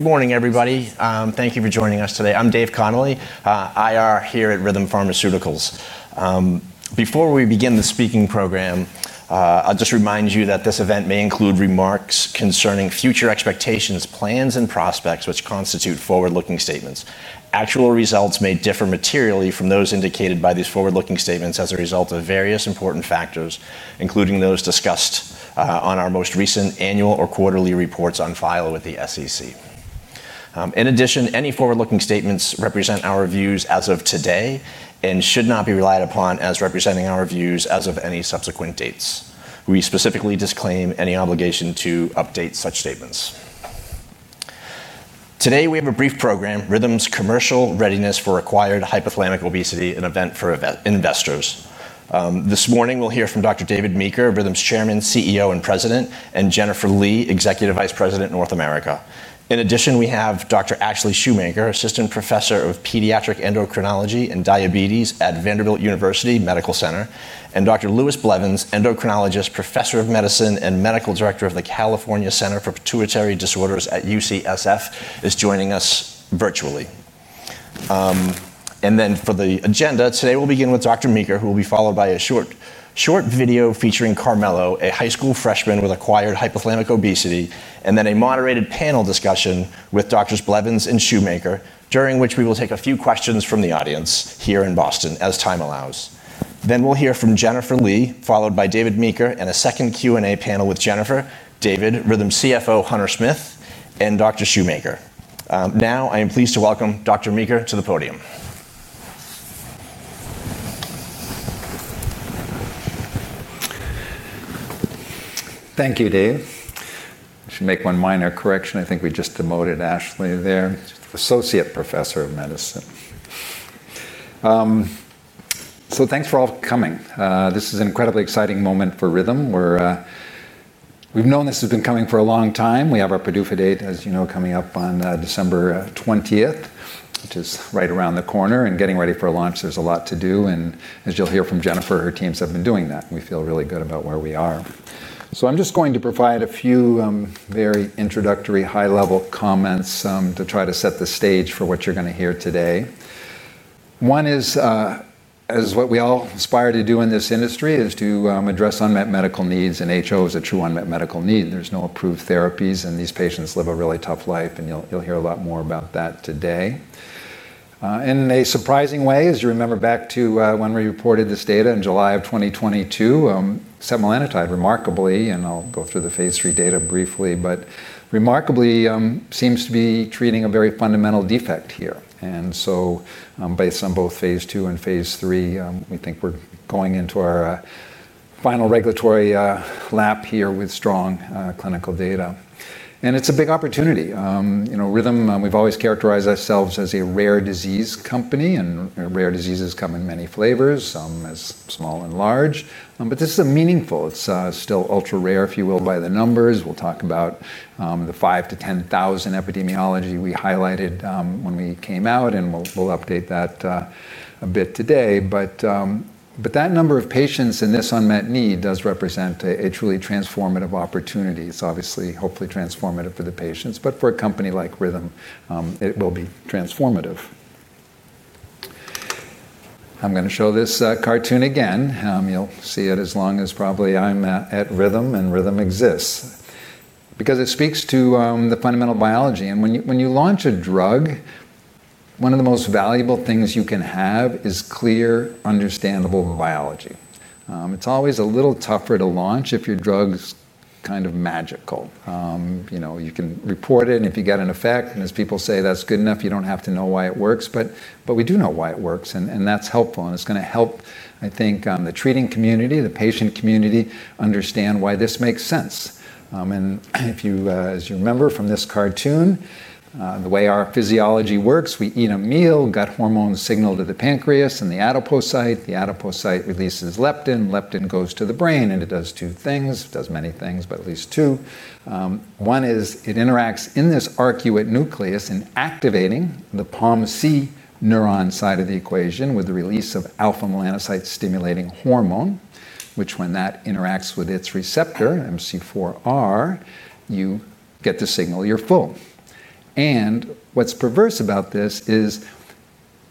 Good morning, everybody. Thank you for joining us today. I'm Dave Connolly. I am here at Rhythm Pharmaceuticals. Before we begin the speaking program, I'll just remind you that this event may include remarks concerning future expectations, plans, and prospects, which constitute forward-looking statements. Actual results may differ materially from those indicated by these forward-looking statements as a result of various important factors, including those discussed in our most recent annual or quarterly reports on file with the SEC. In addition, any forward-looking statements represent our views as of today and should not be relied upon as representing our views as of any subsequent dates. We specifically disclaim any obligation to update such statements. Today, we have a brief program, Rhythm's Commercial Readiness for Acquired Hypothalamic Obesity, an event for investors. This morning, we'll hear from Dr. David Meeker, Rhythm's Chairman, CEO, and President, and Jennifer Lee, Executive Vice President, North America. In addition, we have Dr. Ashley Shoemaker, Assistant Professor of Pediatric Endocrinology and Diabetes at Vanderbilt University Medical Center, and Dr. Lewis Blevins, Endocrinologist, Professor of Medicine and Medical Director of the California Center for Pituitary Disorders at UCSF, joining us virtually. For the agenda today, we'll begin with Dr. Meeker, who will be followed by a short video featuring Carmelo, a high school freshman with acquired hypothalamic obesity, and then a moderated panel discussion with Dr. Blevins and Shoemaker, during which we will take a few questions from the audience here in Boston as time allows. We'll then hear from Jennifer Lee, followed by David Meeker, and a second Q&A panel with Jennifer, David, Rhythm CFO Hunter Smith, and Dr. Shoemaker. Now, I am pleased to welcome Dr. Meeker to the podium. Thank you, Dave. I should make one minor correction. I think we just promoted Ashley there. She's an Associate Professor of Medicine. Thanks for all coming. This is an incredibly exciting moment for Rhythm. We've known this has been coming for a long time. We have our Purdue Fidate, as you know, coming up on December 20th, which is right around the corner and getting ready for launch. There's a lot to do. As you'll hear from Jennifer, her teams have been doing that. We feel really good about where we are. I'm just going to provide a few very introductory high-level comments to try to set the stage for what you're going to hear today. One is, as what we all aspire to do in this industry, is to address unmet medical needs, and HO is a true unmet medical need. There's no approved therapies, and these patients live a really tough life, and you'll hear a lot more about that today. In a surprising way, as you remember back to when we reported this data in July of 2022, setmelanotide, remarkably, and I'll go through the phase III data briefly, but remarkably seems to be treating a very fundamental defect here. Based on both phase II and phase III, we think we're going into our final regulatory lap here with strong clinical data. It's a big opportunity. Rhythm, we've always characterized ourselves as a rare disease company, and rare diseases come in many flavors, some as small and large. This is meaningful. It's still ultra rare, if you will, by the numbers. We'll talk about the 5,000-10,000 epidemiology we highlighted when we came out, and we'll update that a bit today. That number of patients and this unmet need does represent a truly transformative opportunity. It's obviously, hopefully, transformative for the patients, but for a company like Rhythm, it will be transformative. I'm going to show this cartoon again. You'll see it as long as probably I'm at Rhythm, and Rhythm exists. It speaks to the fundamental biology. When you launch a drug, one of the most valuable things you can have is clear, understandable biology. It's always a little tougher to launch if your drug's kind of magical. You can report it, and if you get an effect, and as people say, that's good enough, you don't have to know why it works. We do know why it works, and that's helpful. It's going to help, I think, the treating community, the patient community, understand why this makes sense. If you remember from this cartoon, the way our physiology works, we eat a meal, gut hormones signal to the pancreas and the adipocyte. The adipocyte releases leptin. Leptin goes to the brain, and it does two things. It does many things, but at least two. One is it interacts in this arcuate nucleus in activating the POMC neuron side of the equation with the release of alpha melanocyte stimulating hormone, which when that interacts with its receptor, MC4R, you get the signal you're full. What's perverse about this is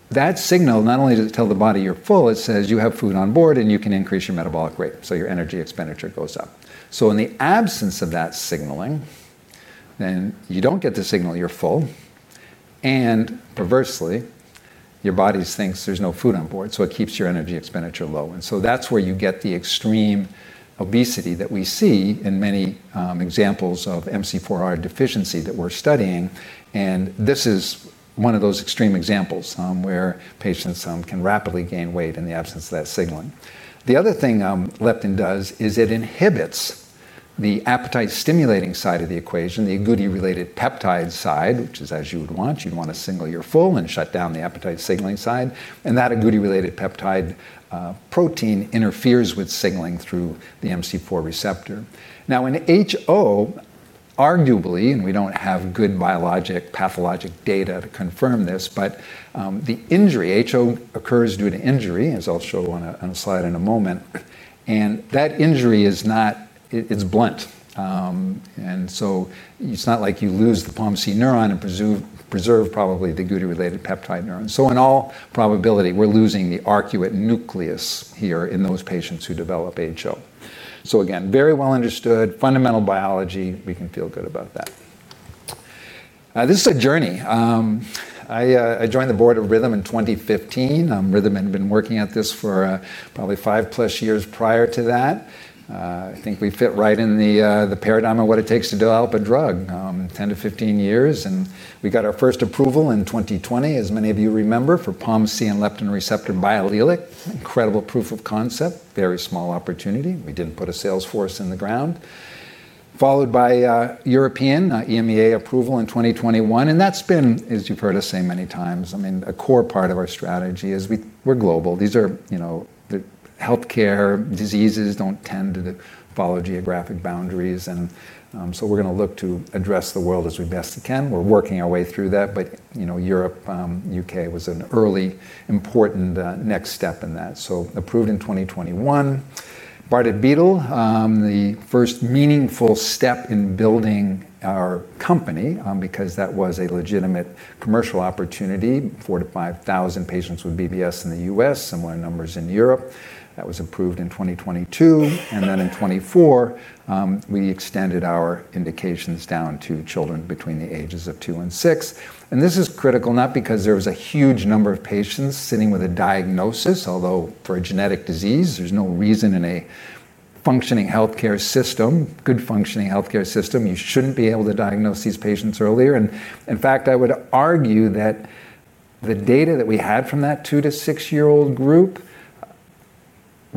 that signal not only does it tell the body you're full, it says you have food on board and you can increase your metabolic rate. Your energy expenditure goes up. In the absence of that signaling, you don't get the signal you're full. Perversely, your body thinks there's no food on board, so it keeps your energy expenditure low. That's where you get the extreme obesity that we see in many examples of MC4R deficiency that we're studying. This is one of those extreme examples where patients can rapidly gain weight in the absence of that signaling. The other thing leptin does is it inhibits the appetite stimulating side of the equation, the agouti-related peptide side, which is as you would want. You'd want to signal you're full and shut down the appetite signaling side. That agouti-related peptide protein interferes with signaling through the MC4 receptor. Now, in HO, arguably, and we don't have good biologic pathologic data to confirm this, but the injury, HO occurs due to injury, as I'll show on a slide in a moment. That injury is not, it's blunt. It's not like you lose the POMC neuron and preserve probably the agouti-related peptide neuron. In all probability, we're losing the arcuate nucleus here in those patients who develop HO. Very well understood, fundamental biology, we can feel good about that. This is a journey. I joined the board of Rhythm in 2015. Rhythm had been working at this for probably five plus years prior to that. I think we fit right in the paradigm of what it takes to develop a drug. 10 to 15 years, and we got our first approval in 2020, as many of you remember, for POMC and leptin receptor biallelic. Incredible proof of concept, very small opportunity. We didn't put a sales force in the ground. Followed by European EMEA approval in 2021. That's been, as you've heard us say many times, a core part of our strategy is we're global. These are, you know, the healthcare diseases don't tend to follow geographic boundaries. We're going to look to address the world as we best can. We're working our way through that. Europe, U.K. was an early important next step in that. Approved in 2021. Bardet-Biedl, the first meaningful step in building our company, because that was a legitimate commercial opportunity. Four to five thousand patients with BBS in the U.S., similar numbers in Europe. That was approved in 2022. In 2024, we extended our indications down to children between the ages of two and six. This is critical, not because there was a huge number of patients sitting with a diagnosis, although for a genetic disease, there's no reason in a functioning healthcare system, good functioning healthcare system, you shouldn't be able to diagnose these patients earlier. In fact, I would argue that the data that we had from that two to six-year-old group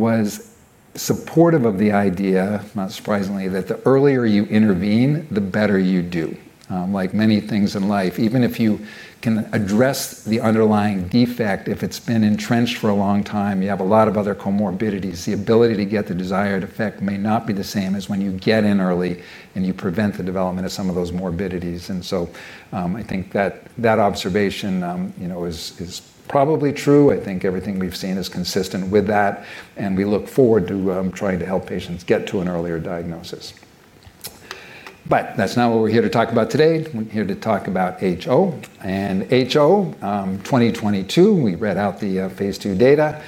was supportive of the idea, not surprisingly, that the earlier you intervene, the better you do. Like many things in life, even if you can address the underlying defect, if it's been entrenched for a long time, you have a lot of other comorbidities. The ability to get the desired effect may not be the same as when you get in early and you prevent the development of some of those morbidities. I think that that observation is probably true. I think everything we've seen is consistent with that. We look forward to trying to help patients get to an earlier diagnosis. That's not what we're here to talk about today. We're here to talk about HO. In 2022, we read out the phase II data.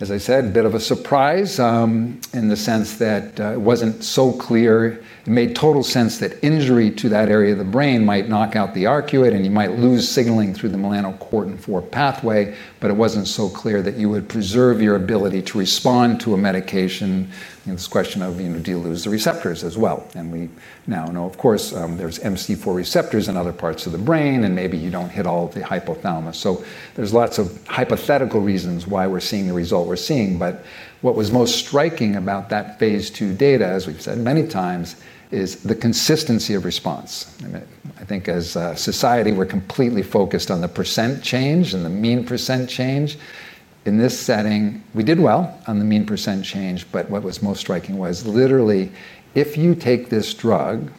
As I said, a bit of a surprise in the sense that it wasn't so clear. It made total sense that injury to that area of the brain might knock out the arcuate and you might lose signaling through the melanocortin-4 pathway. It wasn't so clear that you would preserve your ability to respond to a medication in this question of, you know, do you lose the receptors as well? We now know, of course, there's MC4 receptors in other parts of the brain and maybe you don't hit all the hypothalamus. There are lots of hypothetical reasons why we're seeing the result we're seeing. What was most striking about that phase II data, as we've said many times, is the consistency of response. I think as a society, we're completely focused on the percent change and the mean percent change. In this setting, we did well on the mean percent change, but what was most striking was literally, if you take this drug,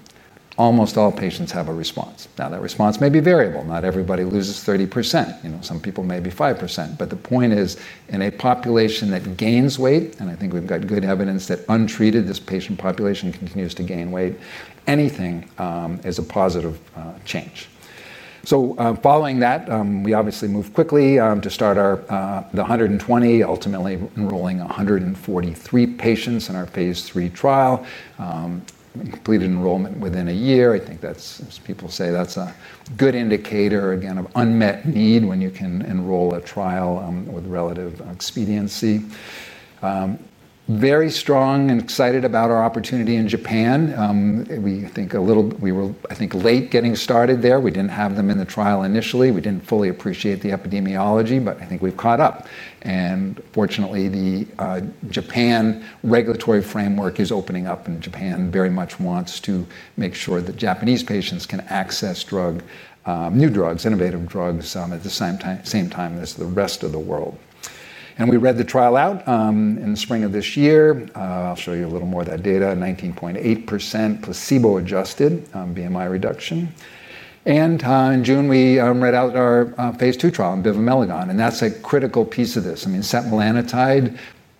almost all patients have a response. That response may be variable. Not everybody loses 30%. Some people may be 5%. The point is, in a population that gains weight, and I think we've got good evidence that untreated, this patient population continues to gain weight, anything is a positive change. Following that, we obviously moved quickly to start the 120, ultimately enrolling 143 patients in our phase III trial. Completed enrollment within a year. I think that's, as people say, a good indicator again of unmet need when you can enroll a trial with relative expediency. Very strong and excited about our opportunity in Japan. We think a little, we were, I think, late getting started there. We didn't have them in the trial initially. We didn't fully appreciate the epidemiology, but I think we've caught up. Fortunately, the Japan regulatory framework is opening up, and Japan very much wants to make sure that Japanese patients can access drug, new drugs, innovative drugs at the same time as the rest of the world. We read the trial out in the spring of this year. I'll show you a little more of that data. 19.8% placebo-adjusted BMI reduction. In June, we read out our phase II trial on bivamelagon. That's a critical piece of this. I mean, setmelanotide,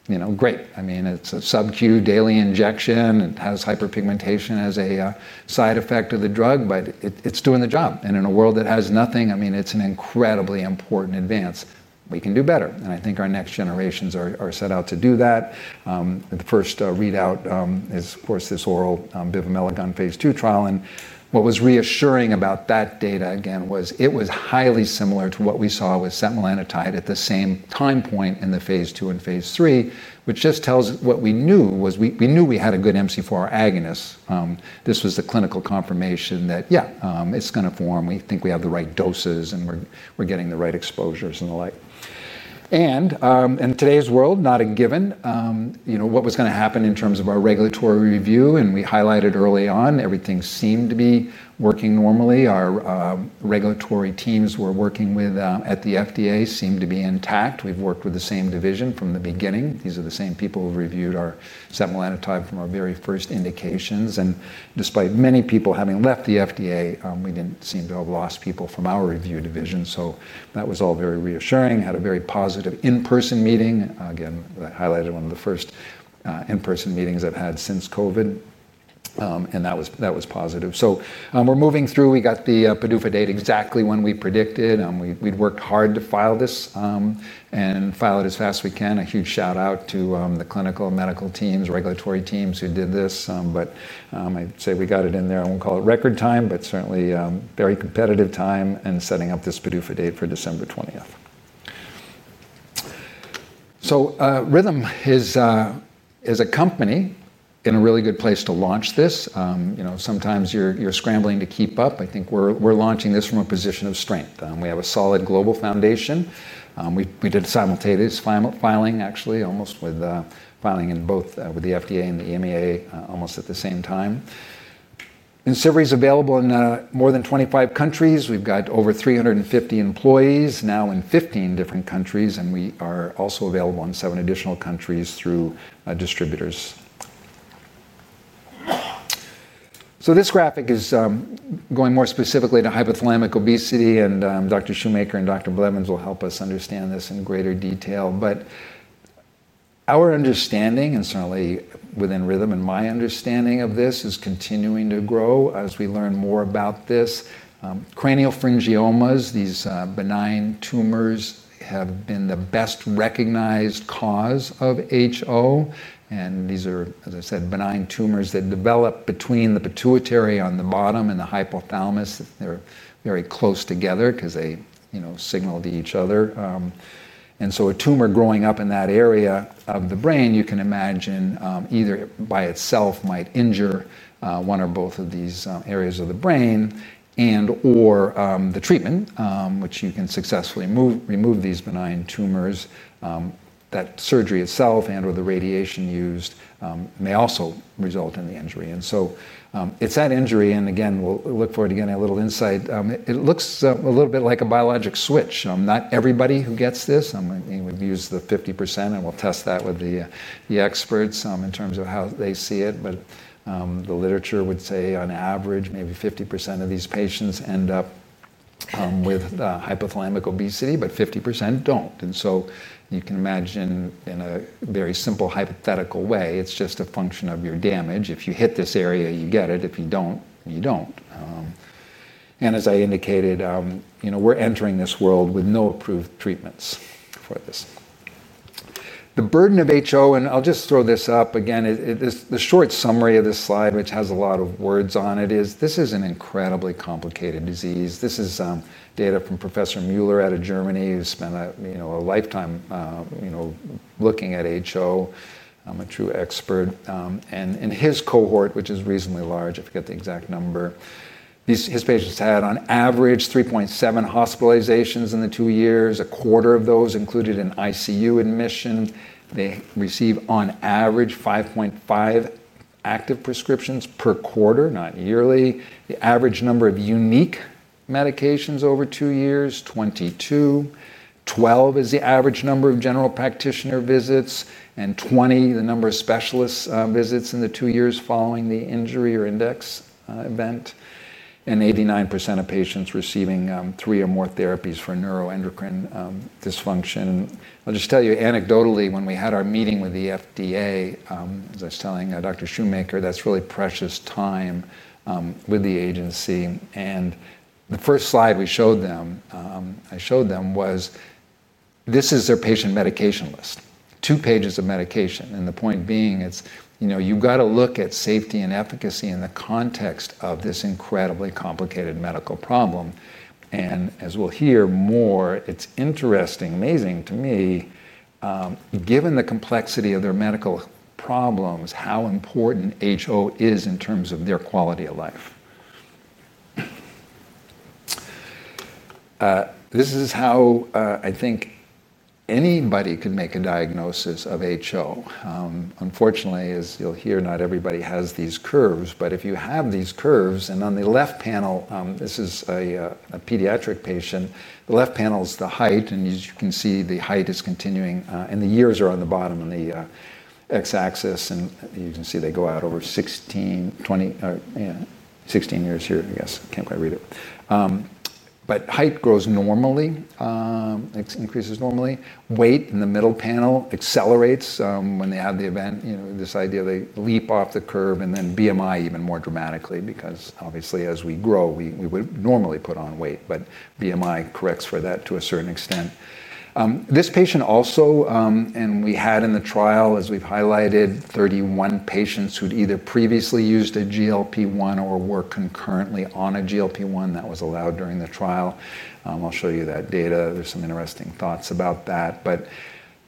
you know, great. I mean, it's a subcu daily injection. It has hyperpigmentation as a side effect of the drug, but it's doing the job. In a world that has nothing, I mean, it's an incredibly important advance. We can do better. I think our next generations are set out to do that. The first readout is, of course, this oral bivamelagon phase II trial. What was reassuring about that data, again, was it was highly similar to what we saw with setmelanotide at the same time point in the phase II and phase III, which just tells what we knew was we knew we had a good MC4R agonist. This was the clinical confirmation that, yeah, it's going to form. We think we have the right doses and we're getting the right exposures and the like. In today's world, not a given, you know, what was going to happen in terms of our regulatory review. We highlighted early on, everything seemed to be working normally. Our regulatory teams we're working with at the FDA seemed to be intact. We've worked with the same division from the beginning. These are the same people who've reviewed our setmelanotide from our very first indications. Despite many people having left the FDA, we didn't seem to have lost people from our review division. That was all very reassuring. Had a very positive in-person meeting, again, that highlighted one of the first in-person meetings I've had since COVID. That was positive. We're moving through. We got the PDUFA date exactly when we predicted. We've worked hard to file this and file it as fast as we can. A huge shout out to the clinical and medical teams, regulatory teams who did this. I'd say we got it in there. I won't call it record time, but certainly very competitive time in setting up this PDUFA date for December 20th. Rhythm is a company in a really good place to launch this. Sometimes you're scrambling to keep up. I think we're launching this from a position of strength. We have a solid global foundation. We did simultaneous filing, actually, almost with filing in both with the FDA and the EMA almost at the same time. IMCIVREE is available in more than 25 countries. We've got over 350 employees now in 15 different countries, and we are also available in seven additional countries through distributors. This graphic is going more specifically to hypothalamic obesity, and Dr. Shoemaker and Dr. Blevins will help us understand this in greater detail. Our understanding, and certainly within Rhythm and my understanding of this, is continuing to grow as we learn more about this. Craniopharyngiomas, these benign tumors, have been the best recognized cause of HO. These are, as I said, benign tumors that develop between the pituitary on the bottom and the hypothalamus. They're very close together because they signal to each other. A tumor growing up in that area of the brain, you can imagine, either by itself might injure one or both of these areas of the brain and/or the treatment, which you can successfully remove these benign tumors. That surgery itself and/or the radiation used may also result in the injury. It's that injury, and again, we'll look forward to getting a little insight. It looks a little bit like a biologic switch. Not everybody who gets this, we've used the 50%, and we'll test that with the experts in terms of how they see it. The literature would say on average, maybe 50% of these patients end up with hypothalamic obesity, but 50% don't. You can imagine in a very simple hypothetical way, it's just a function of your damage. If you hit this area, you get it. If you don't, you don't. As I indicated, we're entering this world with no approved treatments for this. The burden of HO, and I'll just throw this up again, the short summary of this slide, which has a lot of words on it, is this is an incredibly complicated disease. This is data from Professor Müller out of Germany who spent a lifetime looking at HO. I'm a true expert. In his cohort, which is reasonably large, I forget the exact number, his patients had on average 3.7 hospitalizations in the two years. A quarter of those included an ICU admission. They receive on average 5.5 active prescriptions per quarter, not yearly. The average number of unique medications over two years, 22. 12 is the average number of general practitioner visits, and 20, the number of specialists visits in the two years following the injury or index event. 89% of patients receiving three or more therapies for neuroendocrine dysfunction. I'll just tell you anecdotally, when we had our meeting with the FDA, as I was telling Dr. Shoemaker, that's really precious time with the agency. The first slide we showed them, I showed them was this is their patient medication list. Two pages of medication. The point being, you've got to look at safety and efficacy in the context of this incredibly complicated medical problem. As we'll hear more, it's interesting, amazing to me, given the complexity of their medical problems, how important HO is in terms of their quality of life. This is how I think anybody can make a diagnosis of HO. Unfortunately, as you'll hear, not everybody has these curves. If you have these curves, and on the left panel, this is a pediatric patient. The left panel is the height, and as you can see, the height is continuing, and the years are on the bottom of the x-axis. You can see they go out over 16, 20 or 16 years here, I guess. I can't quite read it. Height grows normally. It increases normally. Weight in the middle panel accelerates when they have the event. This idea they leap off the curve and then BMI even more dramatically because obviously as we grow, we would normally put on weight, but BMI corrects for that to a certain extent. This patient also, and we had in the trial, as we've highlighted, 31 patients who'd either previously used a GLP-1 or were concurrently on a GLP-1 that was allowed during the trial. I'll show you that data. There's some interesting thoughts about that.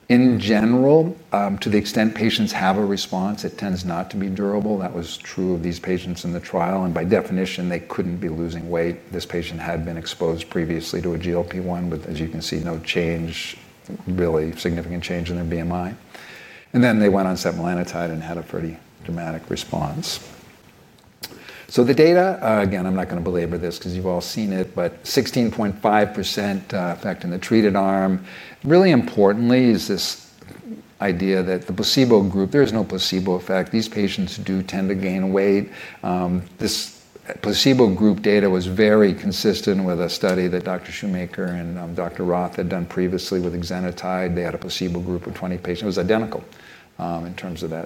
In general, to the extent patients have a response, it tends not to be durable. That was true of these patients in the trial. By definition, they couldn't be losing weight. This patient had been exposed previously to a GLP-1 with, as you can see, no change, really significant change in their BMI. Then they went on setmelanotide and had a pretty dramatic response. The data, again, I'm not going to belabor this because you've all seen it, but 16.5% effect in the treated arm. Really importantly is this idea that the placebo group, there is no placebo effect. These patients do tend to gain weight. This placebo group data was very consistent with a study that Dr. Shoemaker and Dr. Roth had done previously with exenatide. They had a placebo group of 20 patients. It was identical in terms of that.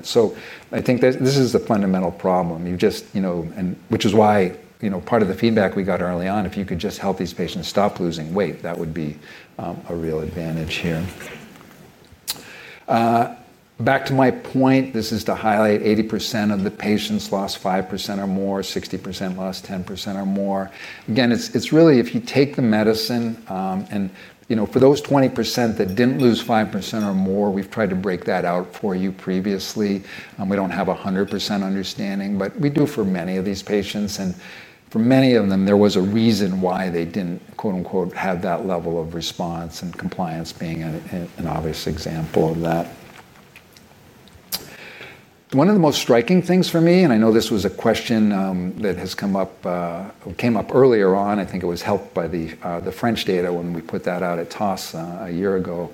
I think this is a fundamental problem. You just, you know, which is why, you know, part of the feedback we got early on, if you could just help these patients stop losing weight, that would be a real advantage here. Back to my point, this is to highlight 80% of the patients lost 5% or more, 60% lost 10% or more. Again, it's really, if you take the medicine, and you know, for those 20% that didn't lose 5% or more, we've tried to break that out for you previously. We don't have 100% understanding, but we do for many of these patients. For many of them, there was a reason why they didn't, quote unquote, have that level of response and compliance being an obvious example of that. One of the most striking things for me, and I know this was a question that has come up, came up earlier on. I think it was helped by the French data when we put that out at TOSS a year ago.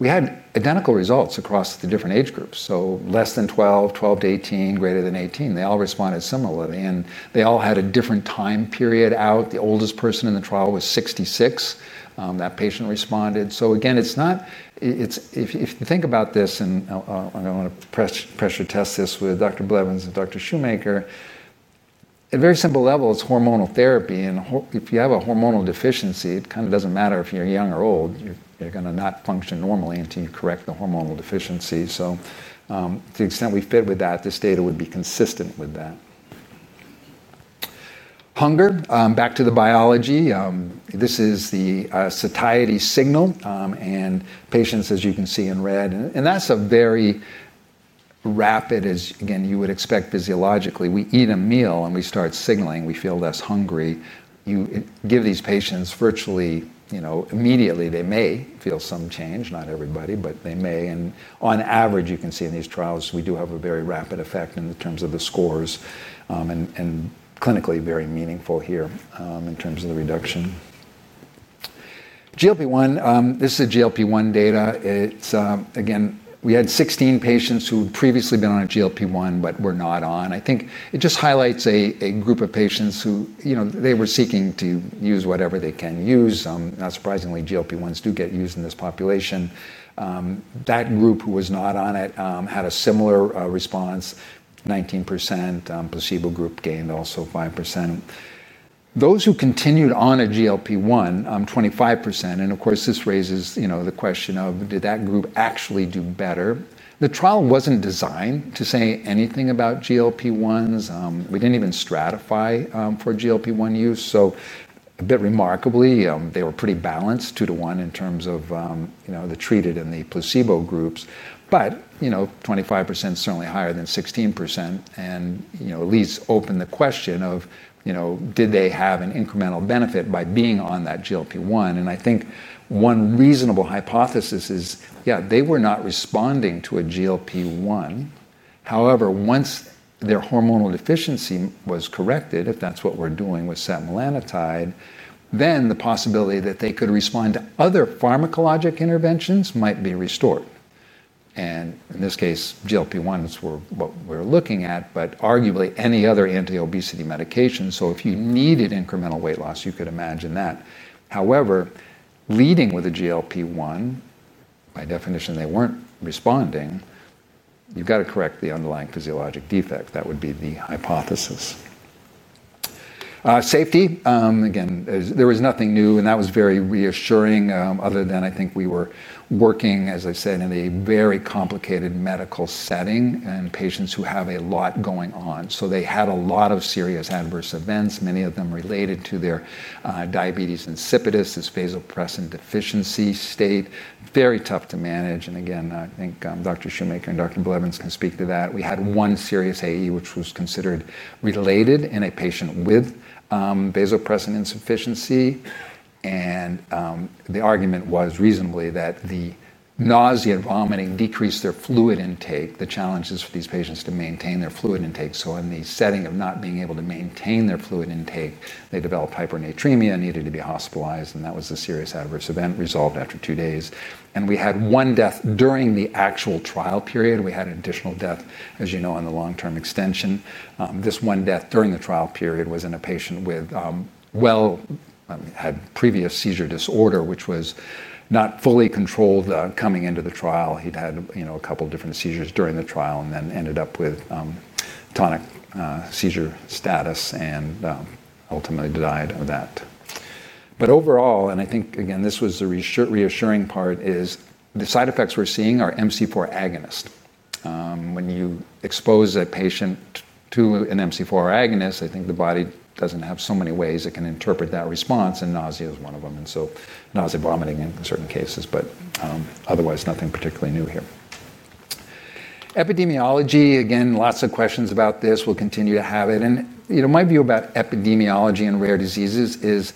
We had identical results across the different age groups. Less than 12, 12 to 18, greater than 18. They all responded similarly. They all had a different time period out. The oldest person in the trial was 66. That patient responded. Again, it's not, if you think about this, and I'm going to pressure test this with Dr. Blevins and Dr. Shoemaker, at a very simple level, it's hormonal therapy. If you have a hormonal deficiency, it kind of doesn't matter if you're young or old. You're going to not function normally until you correct the hormonal deficiency. To the extent we fit with that, this data would be consistent with that. Hunger, back to the biology. This is the satiety signal. Patients, as you can see in red, and that's a very rapid, as again, you would expect physiologically. We eat a meal and we start signaling. We feel less hungry. You give these patients virtually, you know, immediately they may feel some change. Not everybody, but they may. On average, you can see in these trials, we do have a very rapid effect in terms of the scores. Clinically, very meaningful here in terms of the reduction. GLP-1, this is the GLP-1 data. Again, we had 16 patients who had previously been on a GLP-1 but were not on. I think it just highlights a group of patients who, you know, they were seeking to use whatever they can use. Not surprisingly, GLP-1s do get used in this population. That group who was not on it had a similar response. 19% placebo group gained also 5%. Those who continued on a GLP-1, 25%. Of course, this raises the question of, did that group actually do better? The trial wasn't designed to say anything about GLP-1s. We didn't even stratify for GLP-1 use. A bit remarkably, they were pretty balanced two to one in terms of the treated and the placebo groups. 25% is certainly higher than 16%. At least open the question of, did they have an incremental benefit by being on that GLP-1? I think one reasonable hypothesis is, yeah, they were not responding to a GLP-1. However, once their hormonal deficiency was corrected, if that's what we're doing with setmelanotide, then the possibility that they could respond to other pharmacologic interventions might be restored. In this case, GLP-1s were what we're looking at, but arguably any other anti-obesity medication. If you needed incremental weight loss, you could imagine that. However, leading with a GLP-1, by definition, they weren't responding. You've got to correct the underlying physiologic defect. That would be the hypothesis. Safety, again, there was nothing new, and that was very reassuring, other than I think we were working, as I said, in a very complicated medical setting and patients who have a lot going on. They had a lot of serious adverse events, many of them related to their diabetes insipidus, this vasopressin deficiency state, very tough to manage. I think Dr. Shoemaker and Dr. Blevins can speak to that. We had one serious AE, which was considered related in a patient with vasopressin insufficiency. The argument was reasonably that the nausea and vomiting decreased their fluid intake, creating challenges for these patients to maintain their fluid intake. In the setting of not being able to maintain their fluid intake, they developed hypernatremia and needed to be hospitalized. That was a serious adverse event that resolved after two days. We had one death during the actual trial period. We had an additional death, as you know, on the long-term extension. This one death during the trial period was in a patient who had a previous seizure disorder, which was not fully controlled coming into the trial. He had a couple of different seizures during the trial and then ended up with tonic seizure status and ultimately died of that. Overall, this was the reassuring part: the side effects we're seeing are MC4R agonist related. When you expose a patient to an MC4R agonist, the body does not have so many ways it can interpret that response, and nausea is one of them. Nausea and vomiting in certain cases, but otherwise nothing particularly new here. Epidemiology brings lots of questions. We will continue to have them. My view about epidemiology and rare diseases is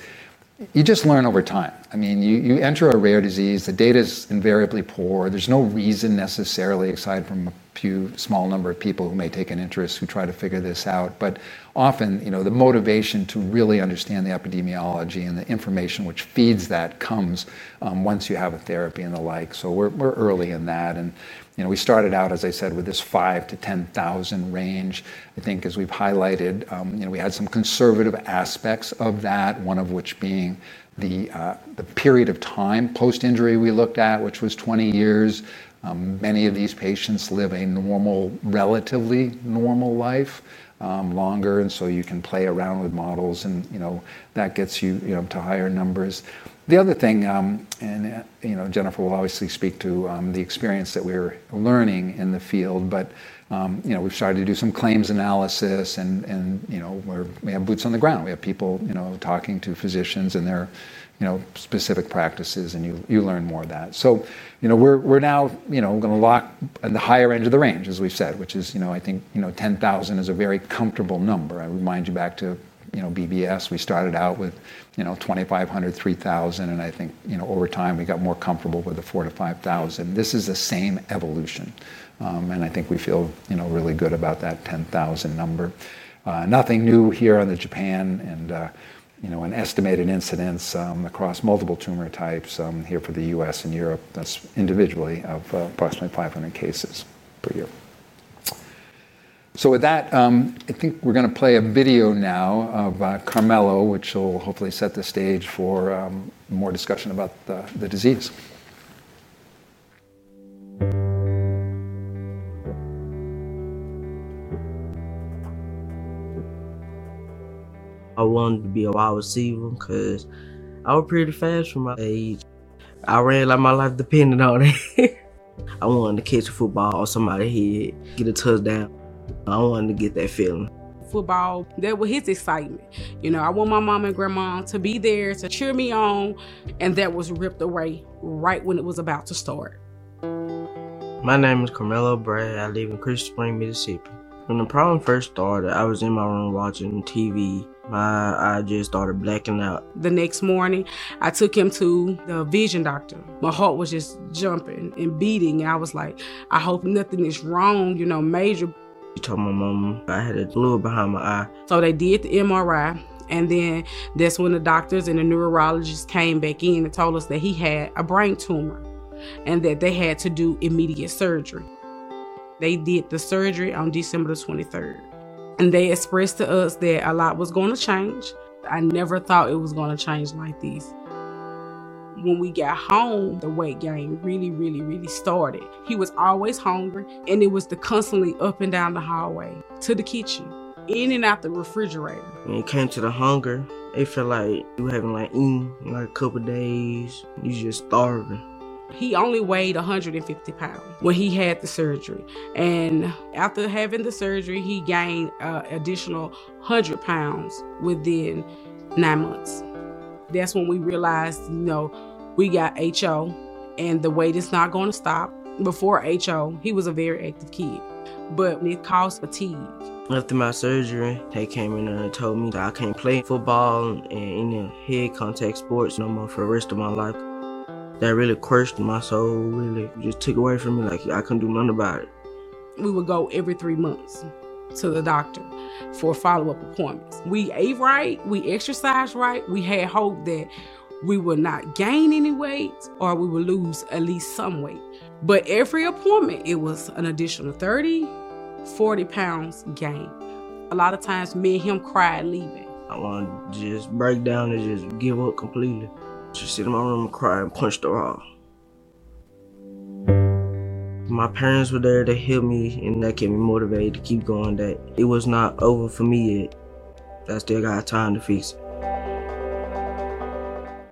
you just learn over time. You enter a rare disease, the data is invariably poor. There is no reason necessarily, aside from a few small number of people who may take an interest and try to figure this out. Often, the motivation to really understand the epidemiology and the information which feeds that comes once you have a therapy and the like. We are early in that. We started out, as I said, with this five to ten thousand range. As we've highlighted, we had some conservative aspects of that, one of which being the period of time post-injury we looked at, which was 20 years. Many of these patients live a relatively normal life, longer. You can play around with models, and that gets you to higher numbers. The other thing, and Jennifer Lee will obviously speak to the experience that we're learning in the field, is that we've started to do some claims analysis, and we have boots on the ground. We have people talking to physicians and their specific practices, and you learn more of that. We're now going to lock on the higher end of the range, as we've said, which is, I think, ten thousand is a very comfortable number. I remind you back to BBS. We started out with 2,500, 3,000, and I think over time we got more comfortable with the four to five thousand. This is the same evolution. I think we feel really good about that ten thousand number. Nothing new here on the Japan and an estimated incidence across multiple tumor types here for the U.S. and Europe, that's individually of approximately 500 cases per year. With that, I think we're going to play a video now of Carmelo, which will hopefully set the stage for more discussion about the disease. I wanted to be a wide receiver because I was pretty fast for my age. I ran like my life depended on it. I wanted to catch a football or somebody hit, get a touchdown. I wanted to get that feeling. Football, that was his excitement. I want my mom and grandma to be there to cheer me on, and that was ripped away right when it was about to start. My name is Carmelo Brad. I live in Crisp Spring, Mississippi. When the problem first started, I was in my room watching TV. My eye just started blacking out. The next morning, I took him to the vision doctor. My heart was just jumping and beating, and I was like, I hope nothing is wrong, you know, major. He told my mama I had a glue behind my eye. They did the MRI, and that's when the doctors and the neurologists came back in and told us that he had a brain tumor and that they had to do immediate surgery. They did the surgery on December 23rd, and they expressed to us that a lot was going to change. I never thought it was going to change like this. When we got home, the weight gain really, really, really started. He was always hungry, and it was constantly up and down the hallway to the kitchen, in and out the refrigerator. When it came to the hunger, it felt like you were having like eating like a couple of days. You're just starving. He only weighed 150 lbs when he had the surgery. After having the surgery, he gained an additional 100 lbs within nine months. That's when we realized, you know, we got HO, and the weight is not going to stop. Before HO, he was a very active kid, but it caused fatigue. After my surgery, they came in and told me that I can't play football and any head contact sports no more for the rest of my life. That really crushed my soul, really just took away from me. Like I couldn't do nothing about it. We would go every three months to the doctor for follow-up appointments. We ate right, we exercised right, we had hope that we would not gain any weight or we would lose at least some weight. Every appointment, it was an additional 30 lbs, 40 lbs gain. A lot of times, me and him cried leaving. I wanted to just break down and just give up completely. Just sit in my room and cry and punch the wall. My parents were there to help me, and that kept me motivated to keep going that it was not over for me yet. I still got time to fix it.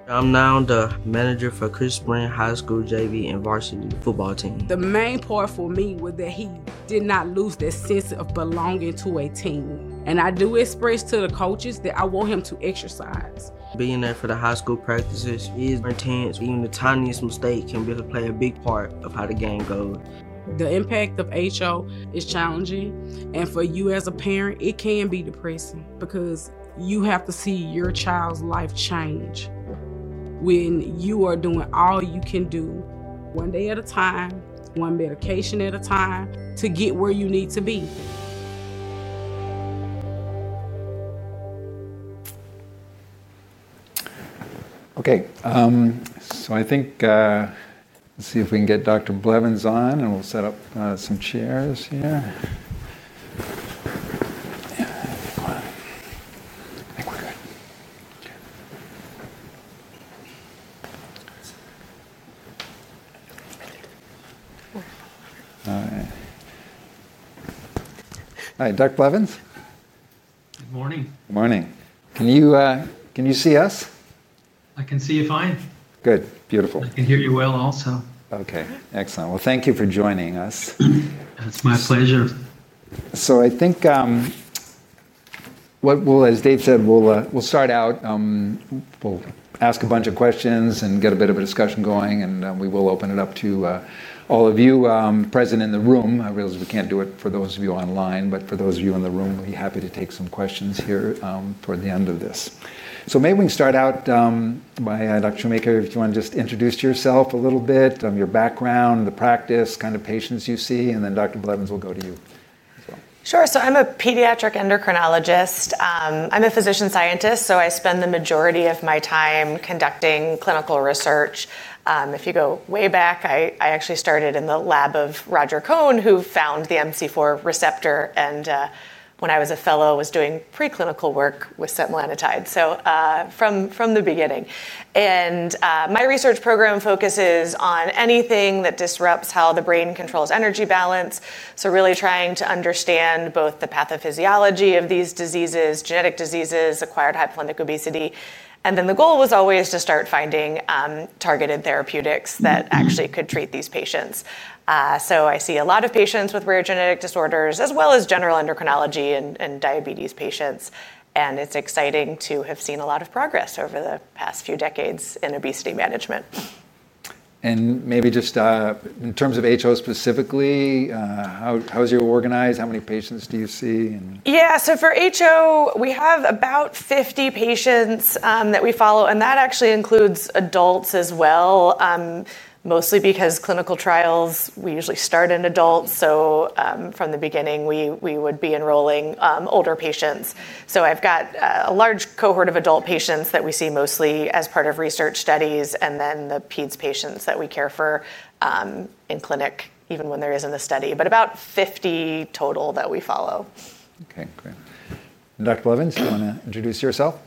I'm now the Manager for Crisp Spring High School JV and Varsity Football Team. The main part for me was that he did not lose that sense of belonging to a team. I do express to the coaches that I want him to exercise. Being there for the high school practices is intense. Even the tiniest mistake can play a big part in how the game goes. The impact of HO is challenging. For you as a parent, it can be depressing because you have to see your child's life change when you are doing all you can do, one day at a time, one medication at a time to get where you need to be. Okay, I think let's see if we can get Dr. Blevins on, and we'll set up some chairs here. All right. All right, Dr. Blevins? Good morning. Morning. Can you see us? I can see you fine. Good. Beautiful. I can hear you well also. Okay, excellent. Thank you for joining us. It's my pleasure. I think what we'll, as Dave said, we'll start out. We'll ask a bunch of questions and get a bit of a discussion going, and we will open it up to all of you present in the room. I realize we can't do it for those of you online, but for those of you in the room, we're happy to take some questions here toward the end of this. Maybe we can start out by Dr. Shoemaker, if you want to just introduce yourself a little bit, your background, the practice, kind of patients you see, and then Dr. Blevins will go to you. Sure. I'm a pediatric endocrinologist. I'm a physician scientist, so I spend the majority of my time conducting clinical research. If you go way back, I actually started in the lab of Roger Cone, who found the MC4R. When I was a fellow, I was doing preclinical work with setmelanotide, so from the beginning. My research program focuses on anything that disrupts how the brain controls energy balance, really trying to understand both the pathophysiology of these diseases, genetic diseases, acquired hypothalamic obesity. The goal was always to start finding targeted therapeutics that actually could treat these patients. I see a lot of patients with rare genetic disorders, as well as general endocrinology and diabetes patients. It's exciting to have seen a lot of progress over the past few decades in obesity management. Maybe just in terms of HO specifically, how is your organized? How many patients do you see? Yeah, for HO, we have about 50 patients that we follow, and that actually includes adults as well, mostly because clinical trials usually start in adults. From the beginning, we would be enrolling older patients. I've got a large cohort of adult patients that we see mostly as part of research studies, and then the peds patients that we care for in clinic, even when there isn't a study, but about 50 total that we follow. Okay, great. Dr. Blevins, do you want to introduce yourself?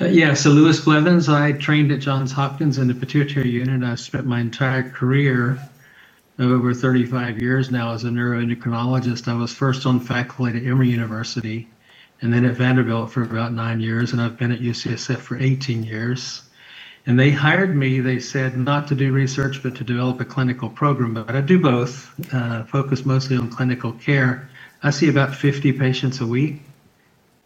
Yeah, so Lewis Blevins, I trained at Johns Hopkins in the pituitary unit. I've spent my entire career, over 35 years now, as a neuroendocrinologist. I was first on faculty at Emory University and then at Vanderbilt for about nine years, and I've been at UCSF for 18 years. They hired me, they said not to do research, but to develop a clinical program. I do both, focus mostly on clinical care. I see about 50 patients a week,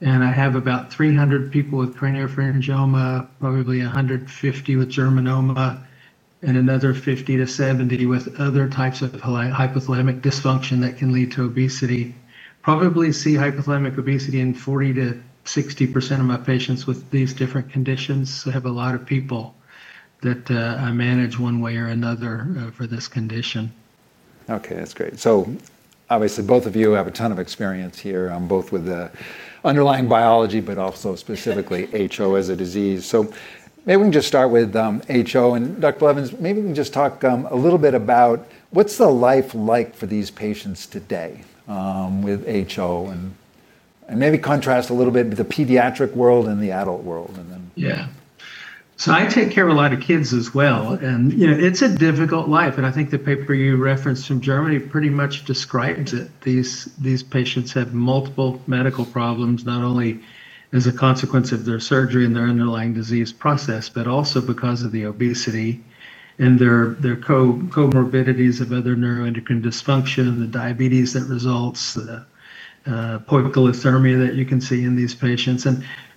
and I have about 300 people with craniopharyngioma, probably 150 with germinoma, and another 50-70 with other types of hypothalamic dysfunction that can lead to obesity. I probably see hypothalamic obesity in 40%-60% of my patients with these different conditions. I have a lot of people that I manage one way or another for this condition. Okay, that's great. Obviously both of you have a ton of experience here, both with the underlying biology, but also specifically HO as a disease. Maybe we can just start with HO, and Dr. Blevins, maybe you can just talk a little bit about what's the life like for these patients today with HO, and maybe contrast a little bit to the pediatric world and the adult world. Yeah, so I take care of a lot of kids as well, and you know, it's a difficult life. I think the paper you referenced from Germany pretty much describes it. These patients have multiple medical problems, not only as a consequence of their surgery and their underlying disease process, but also because of the obesity and their comorbidities of other neuroendocrine dysfunction, the diabetes that results, the poikiloceramia that you can see in these patients.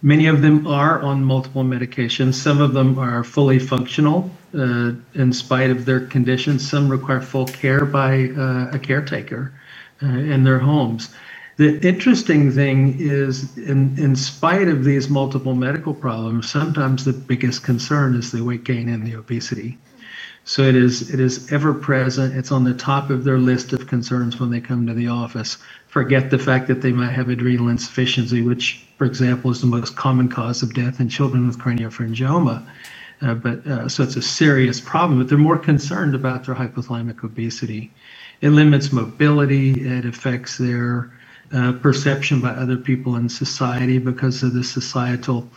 Many of them are on multiple medications. Some of them are fully functional, in spite of their conditions. Some require full care by a caretaker in their homes. The interesting thing is, in spite of these multiple medical problems, sometimes the biggest concern is the weight gain and the obesity. It is ever-present. It's on the top of their list of concerns when they come to the office. Forget the fact that they might have adrenal insufficiency, which, for example, is the most common cause of death in children with craniopharyngioma. It's a serious problem, but they're more concerned about their hypothalamic obesity. It limits mobility. It affects their perception by other people in society because of the societal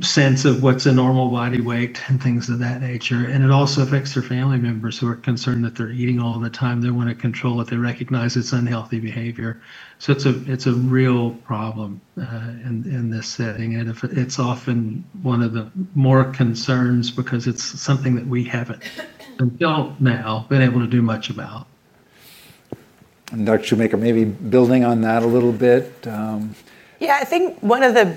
sense of what's a normal body weight and things of that nature. It also affects their family members who are concerned that they're eating all the time. They want to control it. They recognize it's unhealthy behavior. It's a real problem in this setting. It's often one of the more concerns because it's something that we haven't until now been able to do much about. Dr. Shoemaker, maybe building on that a little bit. I think one of the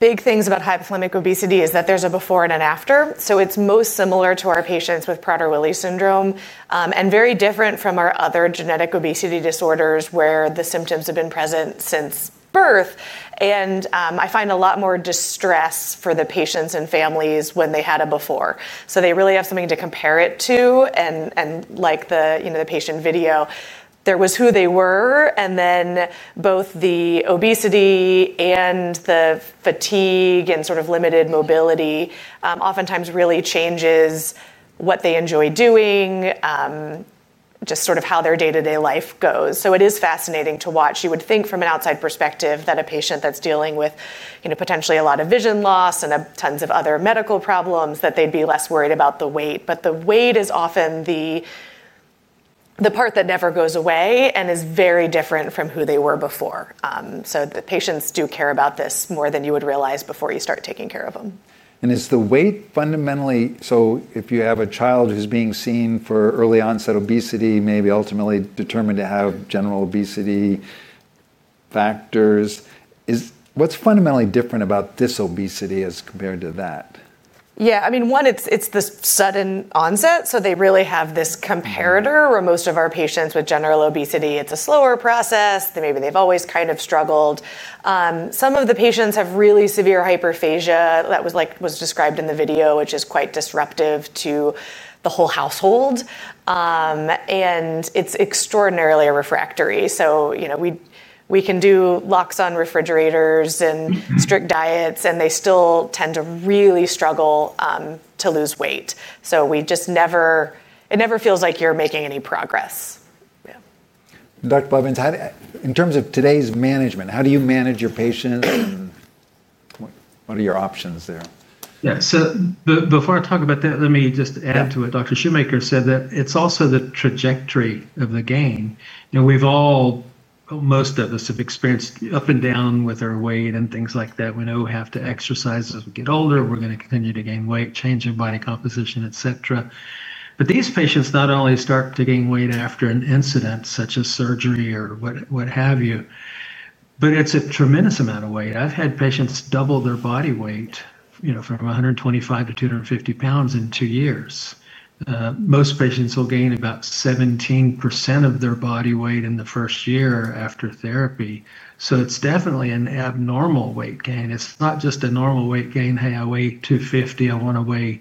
big things about hypothalamic obesity is that there's a before and an after. It's most similar to our patients with Prader-Willi syndrome and very different from our other genetic obesity disorders where the symptoms have been present since birth. I find a lot more distress for the patients and families when they had a before. They really have something to compare it to. Like the patient video, there was who they were. Then both the obesity and the fatigue and sort of limited mobility oftentimes really changes what they enjoy doing, just sort of how their day-to-day life goes. It is fascinating to watch. You would think from an outside perspective that a patient that's dealing with potentially a lot of vision loss and tons of other medical problems, that they'd be less worried about the weight. The weight is often the part that never goes away and is very different from who they were before. The patients do care about this more than you would realize before you start taking care of them. Is the weight fundamentally, if you have a child who's being seen for early onset obesity, maybe ultimately determined to have general obesity factors, what's fundamentally different about this obesity as compared to that? Yeah, I mean, one, it's the sudden onset. They really have this comparator where most of our patients with general obesity, it's a slower process. Maybe they've always kind of struggled. Some of the patients have really severe hyperphagia that was described in the video, which is quite disruptive to the whole household. It's extraordinarily refractory. We can do locks on refrigerators and strict diets, and they still tend to really struggle to lose weight. It never feels like you're making any progress. Yeah. Dr. Blevins, in terms of today's management, how do you manage your patients? What are your options there? Yeah, before I talk about that, let me just add to what Dr. Shoemaker said, that it's also the trajectory of the gain. You know, we've all, most of us have experienced up and down with our weight and things like that. We know we have to exercise as we get older. We're going to continue to gain weight, change our body composition, et cetera. These patients not only start to gain weight after an incident such as surgery or what have you, but it's a tremendous amount of weight. I've had patients double their body weight, you know, from 125 lbs to 250 lbs in two years. Most patients will gain about 17% of their body weight in the first year after therapy. It's definitely an abnormal weight gain. It's not just a normal weight gain. Hey, I weigh 250 lbs, I want to weigh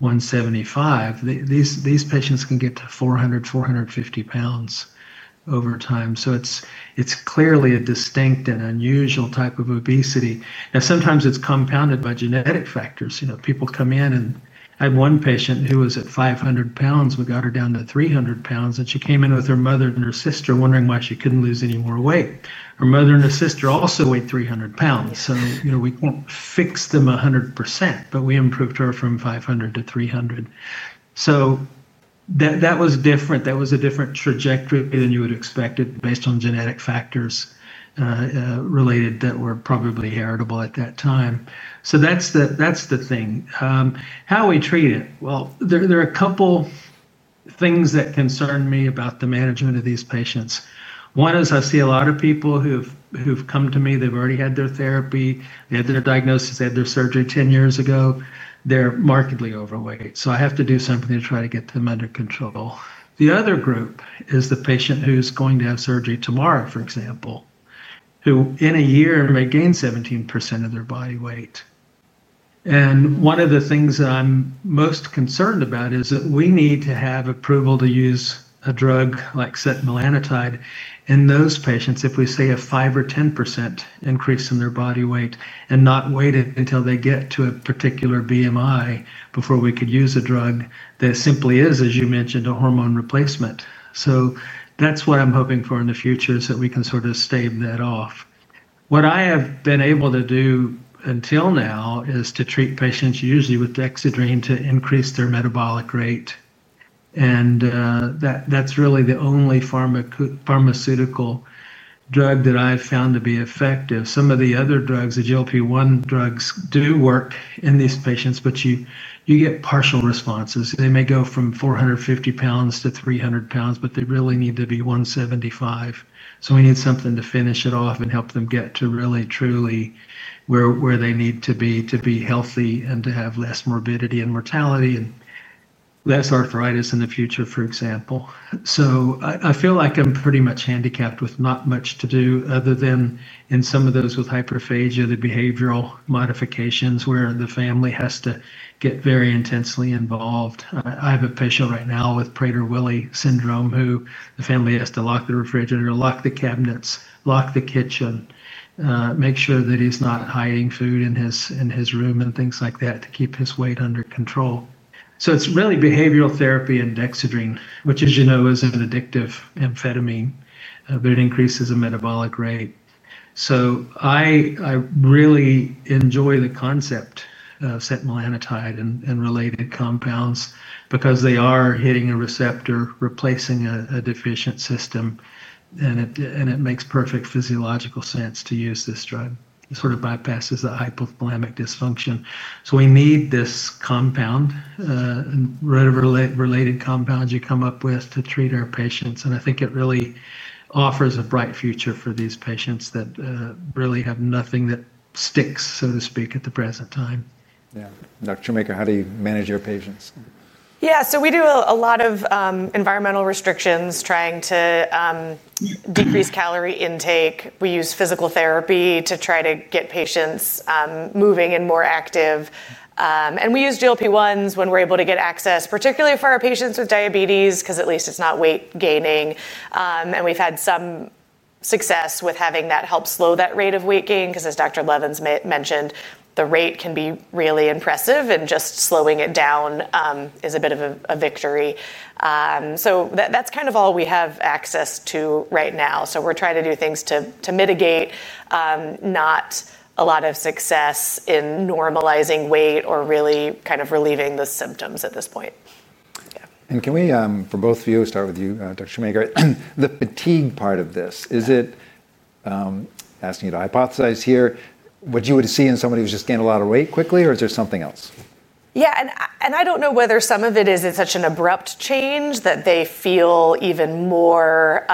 175 lbs. These patients can get to 400 lbs, 450 lbs over time. It's clearly a distinct and unusual type of obesity. Sometimes it's compounded by genetic factors. People come in and I had one patient who was at 500 lbs. We got her down to 300 lbs. She came in with her mother and her sister wondering why she couldn't lose any more weight. Her mother and her sister also weighed 300 lbs. We can't fix them 100%, but we improved her from 500 lbs to 300 lbs. That was different. That was a different trajectory than you would expect based on genetic factors related that were probably heritable at that time. That's the thing. How we treat it? There are a couple of things that concern me about the management of these patients. One is I see a lot of people who've come to me, they've already had their therapy, they had their diagnosis, they had their surgery 10 years ago, they're markedly overweight. I have to do something to try to get them under control. The other group is the patient who's going to have surgery tomorrow, for example, who in a year may gain 17% of their body weight. One of the things I'm most concerned about is that we need to have approval to use a drug like setmelanotide in those patients. If we say a 5% or 10% increase in their body weight and not wait until they get to a particular BMI before we could use a drug that simply is, as you mentioned, a hormone replacement. That's what I'm hoping for in the future is that we can sort of stave that off. What I have been able to do until now is to treat patients usually with Dexedrine to increase their metabolic rate. That's really the only pharmaceutical drug that I've found to be effective. Some of the other drugs, the GLP-1 drugs, do work in these patients, but you get partial responses. They may go from 450 lbs to 300 lbs, but they really need to be 175 lbs. We need something to finish it off and help them get to really, truly where they need to be to be healthy and to have less morbidity and mortality and less arthritis in the future, for example. I feel like I'm pretty much handicapped with not much to do other than in some of those with hyperphagia, the behavioral modifications where the family has to get very intensely involved. I have a patient right now with Prader-Willi syndrome who the family has to lock the refrigerator, lock the cabinets, lock the kitchen, make sure that he's not hiding food in his room and things like that to keep his weight under control. It's really behavioral therapy and Dexedrine, which, as you know, is an addictive amphetamine, but it increases the metabolic rate. I really enjoy the concept of setmelanotide and related compounds because they are hitting a receptor, replacing a deficient system, and it makes perfect physiological sense to use this drug. It sort of bypasses the hypothalamic dysfunction. We need this compound and related compounds you come up with to treat our patients. I think it really offers a bright future for these patients that really have nothing that sticks, so to speak, at the present time. Yeah, Dr. Shoemaker, how do you manage your patients? Yeah, we do a lot of environmental restrictions, trying to decrease calorie intake. We use physical therapy to try to get patients moving and more active. We use GLP-1s when we're able to get access, particularly for our patients with diabetes, because at least it's not weight gaining. We've had some success with having that help slow that rate of weight gain, because as Dr. Blevins mentioned, the rate can be really impressive, and just slowing it down is a bit of a victory. That's kind of all we have access to right now. We're trying to do things to mitigate, not a lot of success in normalizing weight or really kind of relieving the symptoms at this point. For both of you, starting with you, Dr. Shoemaker, the fatigue part of this, is it asking you to hypothesize here what you would see in somebody who's just gained a lot of weight quickly, or is there something else? Yeah, and I don't know whether some of it is it's such an abrupt change that they feel even more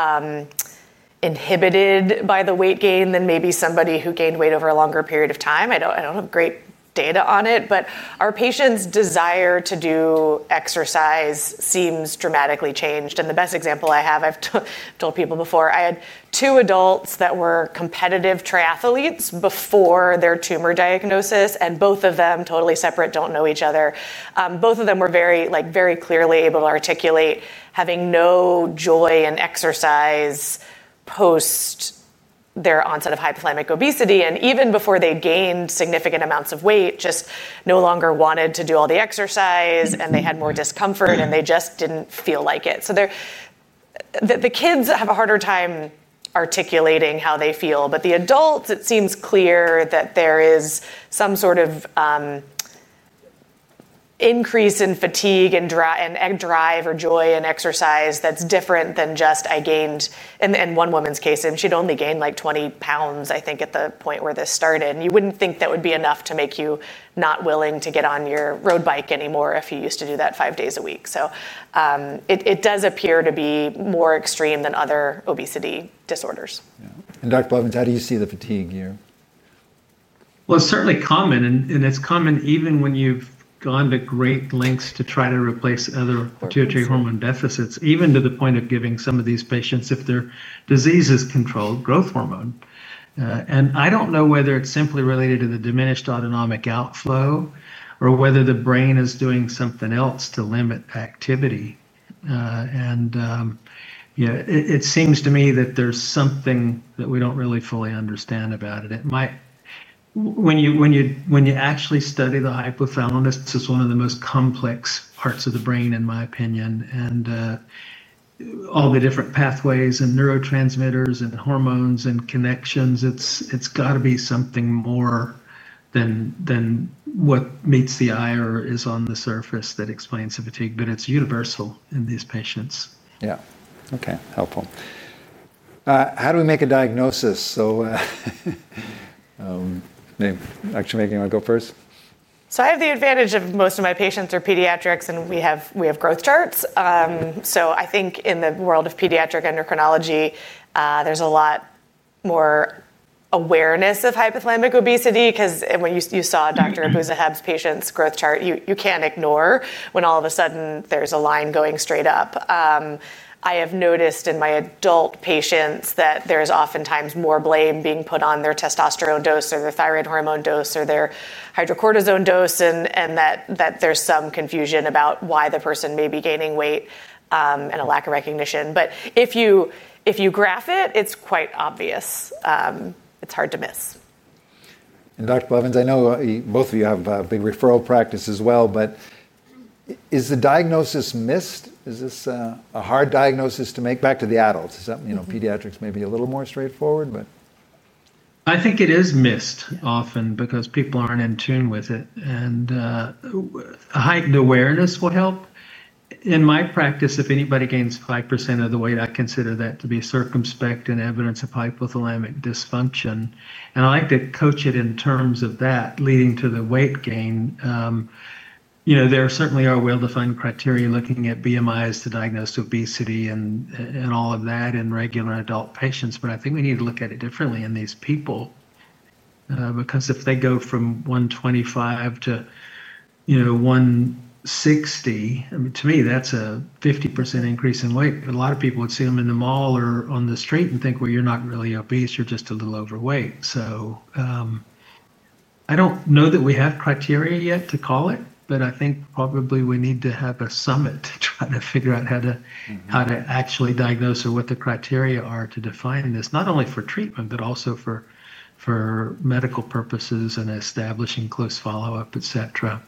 inhibited by the weight gain than maybe somebody who gained weight over a longer period of time. I don't have great data on it, but our patients' desire to do exercise seems dramatically changed. The best example I have, I've told people before, I had two adults that were competitive triathletes before their tumor diagnosis, and both of them, totally separate, don't know each other. Both of them were very, like very clearly able to articulate having no joy in exercise post their onset of hypothalamic obesity. Even before they gained significant amounts of weight, just no longer wanted to do all the exercise, and they had more discomfort, and they just didn't feel like it. The kids have a harder time articulating how they feel, but the adults, it seems clear that there is some sort of increase in fatigue and drive or joy in exercise that's different than just I gained, in one woman's case, and she'd only gained like 20 lbs, I think, at the point where this started. You wouldn't think that would be enough to make you not willing to get on your road bike anymore if you used to do that five days a week. It does appear to be more extreme than other obesity disorders. Dr. Blevins, how do you see the fatigue here? It is certainly common, and it's common even when you've gone to great lengths to try to replace other pituitary hormone deficits, even to the point of giving some of these patients, if their disease is controlled, growth hormone. I don't know whether it's simply related to the diminished autonomic outflow or whether the brain is doing something else to limit activity. It seems to me that there's something that we don't really fully understand about it. When you actually study the hypothalamus, it's one of the most complex parts of the brain, in my opinion, and all the different pathways and neurotransmitters and hormones and connections, it's got to be something more than what meets the eye or is on the surface that explains the fatigue, but it's universal in these patients. Yeah, okay, helpful. How do we make a diagnosis? Maybe Dr. Shoemaker, you want to go first? I have the advantage of most of my patients are pediatrics, and we have growth charts. I think in the world of pediatric endocrinology, there's a lot more awareness of hypothalamic obesity because when you saw Dr. Abu Shehab's patient's growth chart, you can't ignore when all of a sudden there's a line going straight up. I have noticed in my adult patients that there's oftentimes more blame being put on their testosterone dose or their thyroid hormone dose or their hydrocortisone dose, and that there's some confusion about why the person may be gaining weight and a lack of recognition. If you graph it, it's quite obvious. It's hard to miss. Dr. Blevins, I know both of you have a big referral practice as well. Is the diagnosis missed? Is this a hard diagnosis to make back to the adults? You know, pediatrics may be a little more straightforward. I think it is missed often because people aren't in tune with it, and heightened awareness will help. In my practice, if anybody gains 5% of the weight, I consider that to be circumspect and evidence of hypothalamic dysfunction. I like to coach it in terms of that leading to the weight gain. There certainly are well-defined criteria looking at BMIs to diagnose obesity and all of that in regular adult patients, but I think we need to look at it differently in these people because if they go from 125 lbs to, you know, 160 lbs, I mean, to me, that's a 50% increase in weight. A lot of people would see them in the mall or on the street and think, you're not really obese, you're just a little overweight. I don't know that we have criteria yet to call it, but I think probably we need to have a summit to try to figure out how to actually diagnose or what the criteria are to define this, not only for treatment, but also for medical purposes and establishing close follow-up, et cetera.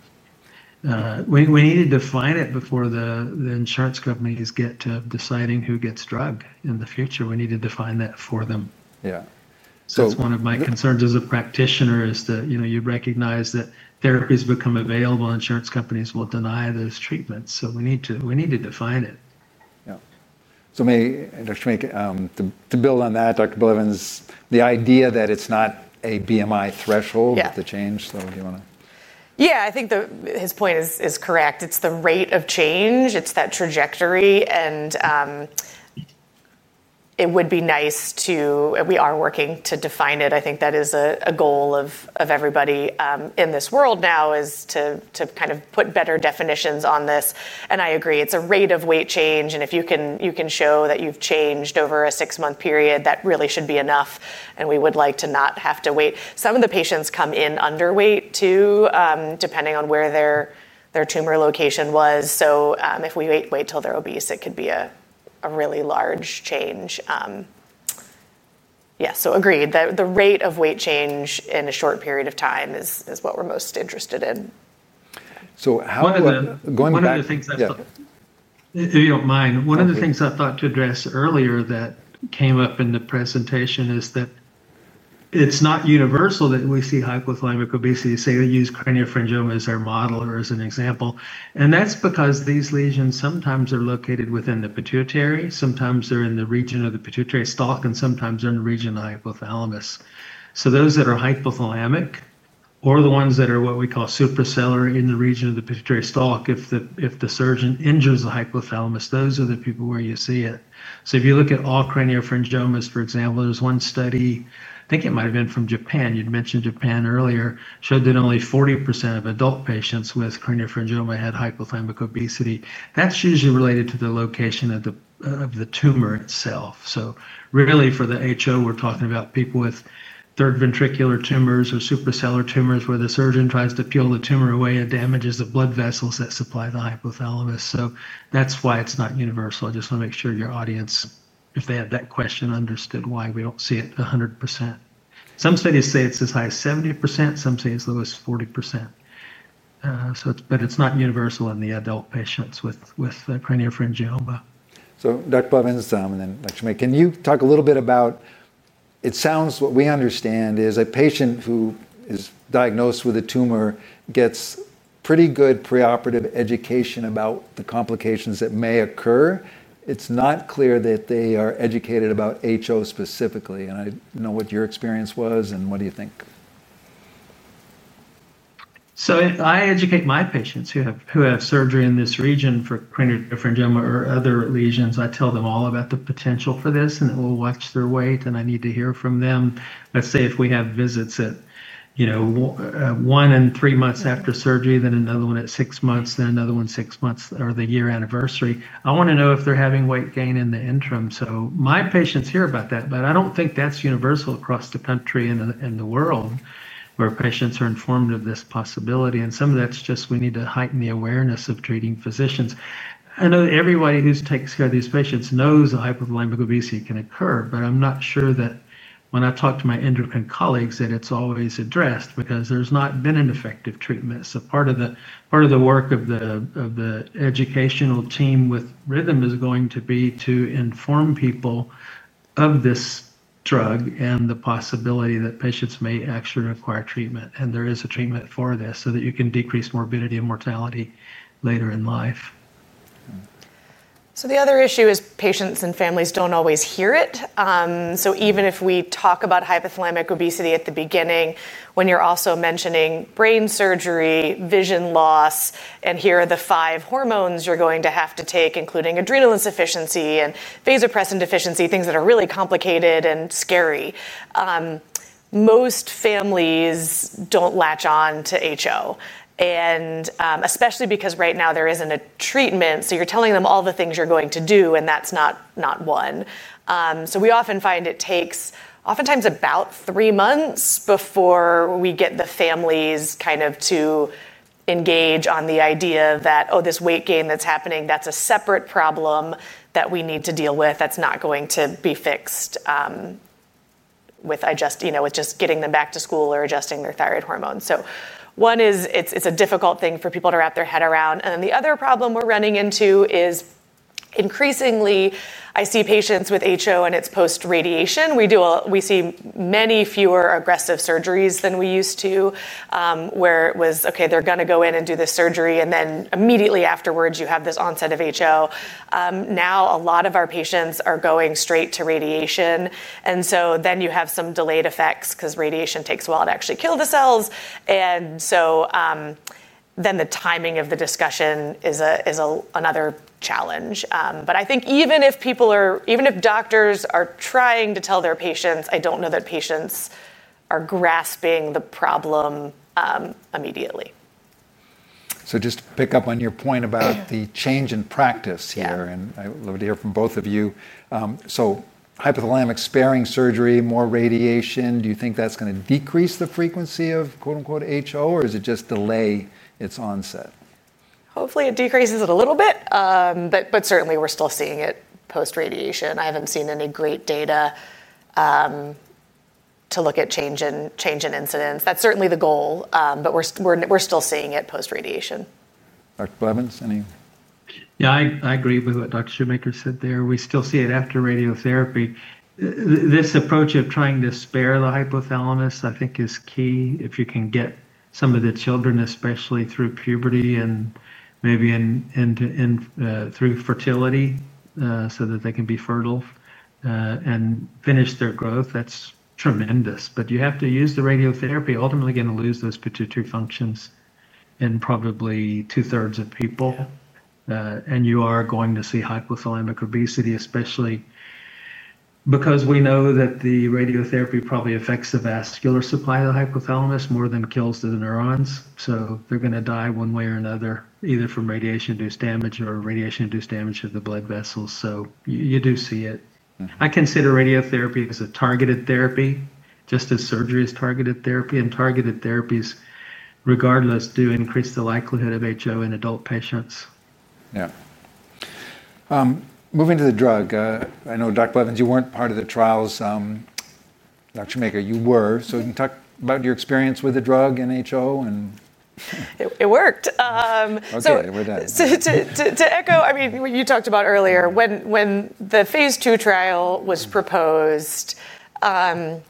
We need to define it before the insurance companies get to deciding who gets drug in the future. We need to define that for them. Yeah. One of my concerns as a practitioner is that, you know, you recognize that therapies become available and insurance companies will deny those treatments. We need to define it. Yeah. Maybe, Dr. Shoemaker, to build on that, Dr. Blevins, the idea that it's not a BMI threshold to change. Do you want to? Yeah, I think his point is correct. It's the rate of change. It's that trajectory. It would be nice to, and we are working to define it. I think that is a goal of everybody in this world now, to kind of put better definitions on this. I agree, it's a rate of weight change. If you can show that you've changed over a six-month period, that really should be enough. We would like to not have to wait. Some of the patients come in underweight too, depending on where their tumor location was. If we wait till they're obese, it could be a really large change. Agreed, the rate of weight change in a short period of time is what we're most interested in. How does that going back? One of the things I thought to address earlier that came up in the presentation is that it's not universal that we see hypothalamic obesity. Say I use craniopharyngiomas as our model or as an example. That's because these lesions sometimes are located within the pituitary, sometimes they're in the region of the pituitary stalk, and sometimes they're in the region of the hypothalamus. Those that are hypothalamic or the ones that are what we call suprasellar in the region of the pituitary stalk, if the surgeon injures the hypothalamus, those are the people where you see it. If you look at all craniopharyngiomas, for example, there's one study, I think it might have been from Japan, you'd mentioned Japan earlier, showed that only 40% of adult patients with craniopharyngiomas had hypothalamic obesity. That's usually related to the location of the tumor itself. Really for the HO, we're talking about people with third ventricular tumors or suprasellar tumors where the surgeon tries to peel the tumor away and damages the blood vessels that supply the hypothalamus. That's why it's not universal. I just want to make sure your audience, if they have that question, understood why we don't see it 100%. Some studies say it's as high as 70%, some say it's as low as 40%. It's not universal in the adult patients with craniopharyngioma. Dr. Blevins and then Dr. Shoemaker, can you talk a little bit about, it sounds like what we understand is a patient who is diagnosed with a tumor gets pretty good preoperative education about the complications that may occur. It's not clear that they are educated about HO specifically. I know what your experience was and what do you think? I educate my patients who have surgery in this region for craniopharyngiomas or other lesions. I tell them all about the potential for this and that we'll watch their weight and I need to hear from them. If we have visits at, you know, one and three months after surgery, then another one at six months, then another one at six months or the year anniversary, I want to know if they're having weight gain in the interim. My patients hear about that, but I don't think that's universal across the country and the world where patients are informed of this possibility. Some of that's just we need to heighten the awareness of treating physicians. I know that everybody who takes care of these patients knows acquired hypothalamic obesity can occur, but I'm not sure that when I talk to my endocrine colleagues that it's always addressed because there's not been an effective treatment. Part of the work of the educational team with Rhythm is going to be to inform people of this drug and the possibility that patients may actually require treatment. There is a treatment for this so that you can decrease morbidity and mortality later in life. The other issue is patients and families don't always hear it. Even if we talk about hypothalamic obesity at the beginning, when you're also mentioning brain surgery, vision loss, and here are the five hormones you're going to have to take, including adrenal insufficiency and vasopressin deficiency, things that are really complicated and scary, most families don't latch on to HO. Especially because right now there isn't a treatment. You're telling them all the things you're going to do, and that's not one. We often find it takes about three months before we get the families to engage on the idea that, oh, this weight gain that's happening, that's a separate problem that we need to deal with, that's not going to be fixed with just getting them back to school or adjusting their thyroid hormone. One is it's a difficult thing for people to wrap their head around. The other problem we're running into is increasingly, I see patients with HO and it's post-radiation. We see many fewer aggressive surgeries than we used to, where it was, okay, they're going to go in and do this surgery, and then immediately afterwards you have this onset of HO. Now a lot of our patients are going straight to radiation. You have some delayed effects because radiation takes a while to actually kill the cells. The timing of the discussion is another challenge. I think even if doctors are trying to tell their patients, I don't know that patients are grasping the problem immediately. Just to pick up on your point about the change in practice here, I'd love to hear from both of you. Hypothalamic sparing surgery, more radiation, do you think that's going to decrease the frequency of quote unquote HO, or does it just delay its onset? Hopefully it decreases it a little bit, but certainly we're still seeing it post-radiation. I haven't seen any great data to look at change in incidence. That's certainly the goal, but we're still seeing it post-radiation. Dr. Blevins, any? Yeah, I agree with what Dr. Shoemaker said there. We still see it after radiotherapy. This approach of trying to spare the hypothalamus, I think, is key. If you can get some of the children, especially through puberty and maybe through fertility, so that they can be fertile and finish their growth, that's tremendous. You have to use the radiotherapy. Ultimately, you're going to lose those pituitary functions in probably two thirds of people. You are going to see hypothalamic obesity, especially because we know that the radiotherapy probably affects the vascular supply of the hypothalamus more than kills the neurons. They're going to die one way or another, either from radiation-induced damage or radiation-induced damage to the blood vessels. You do see it. I consider radiotherapy as a targeted therapy, just as surgery is targeted therapy. Targeted therapies, regardless, do increase the likelihood of HO in adult patients. Yeah. Moving to the drug, I know, Dr. Blevins, you weren't part of the trials. Dr. Shoemaker, you were, so you can talk about your experience with the drug and HO. It worked. Okay, we're done. To echo what you talked about earlier, when the phase II trial was proposed, I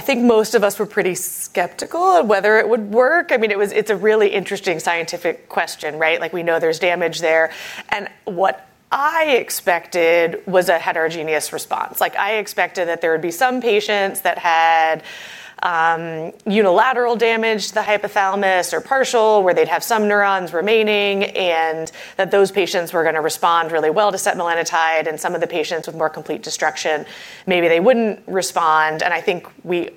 think most of us were pretty skeptical of whether it would work. It's a really interesting scientific question, right? We know there's damage there. What I expected was a heterogeneous response. I expected that there would be some patients that had unilateral damage to the hypothalamus or partial, where they'd have some neurons remaining, and that those patients were going to respond really well to setmelanotide. Some of the patients with more complete destruction, maybe they wouldn't respond. I think we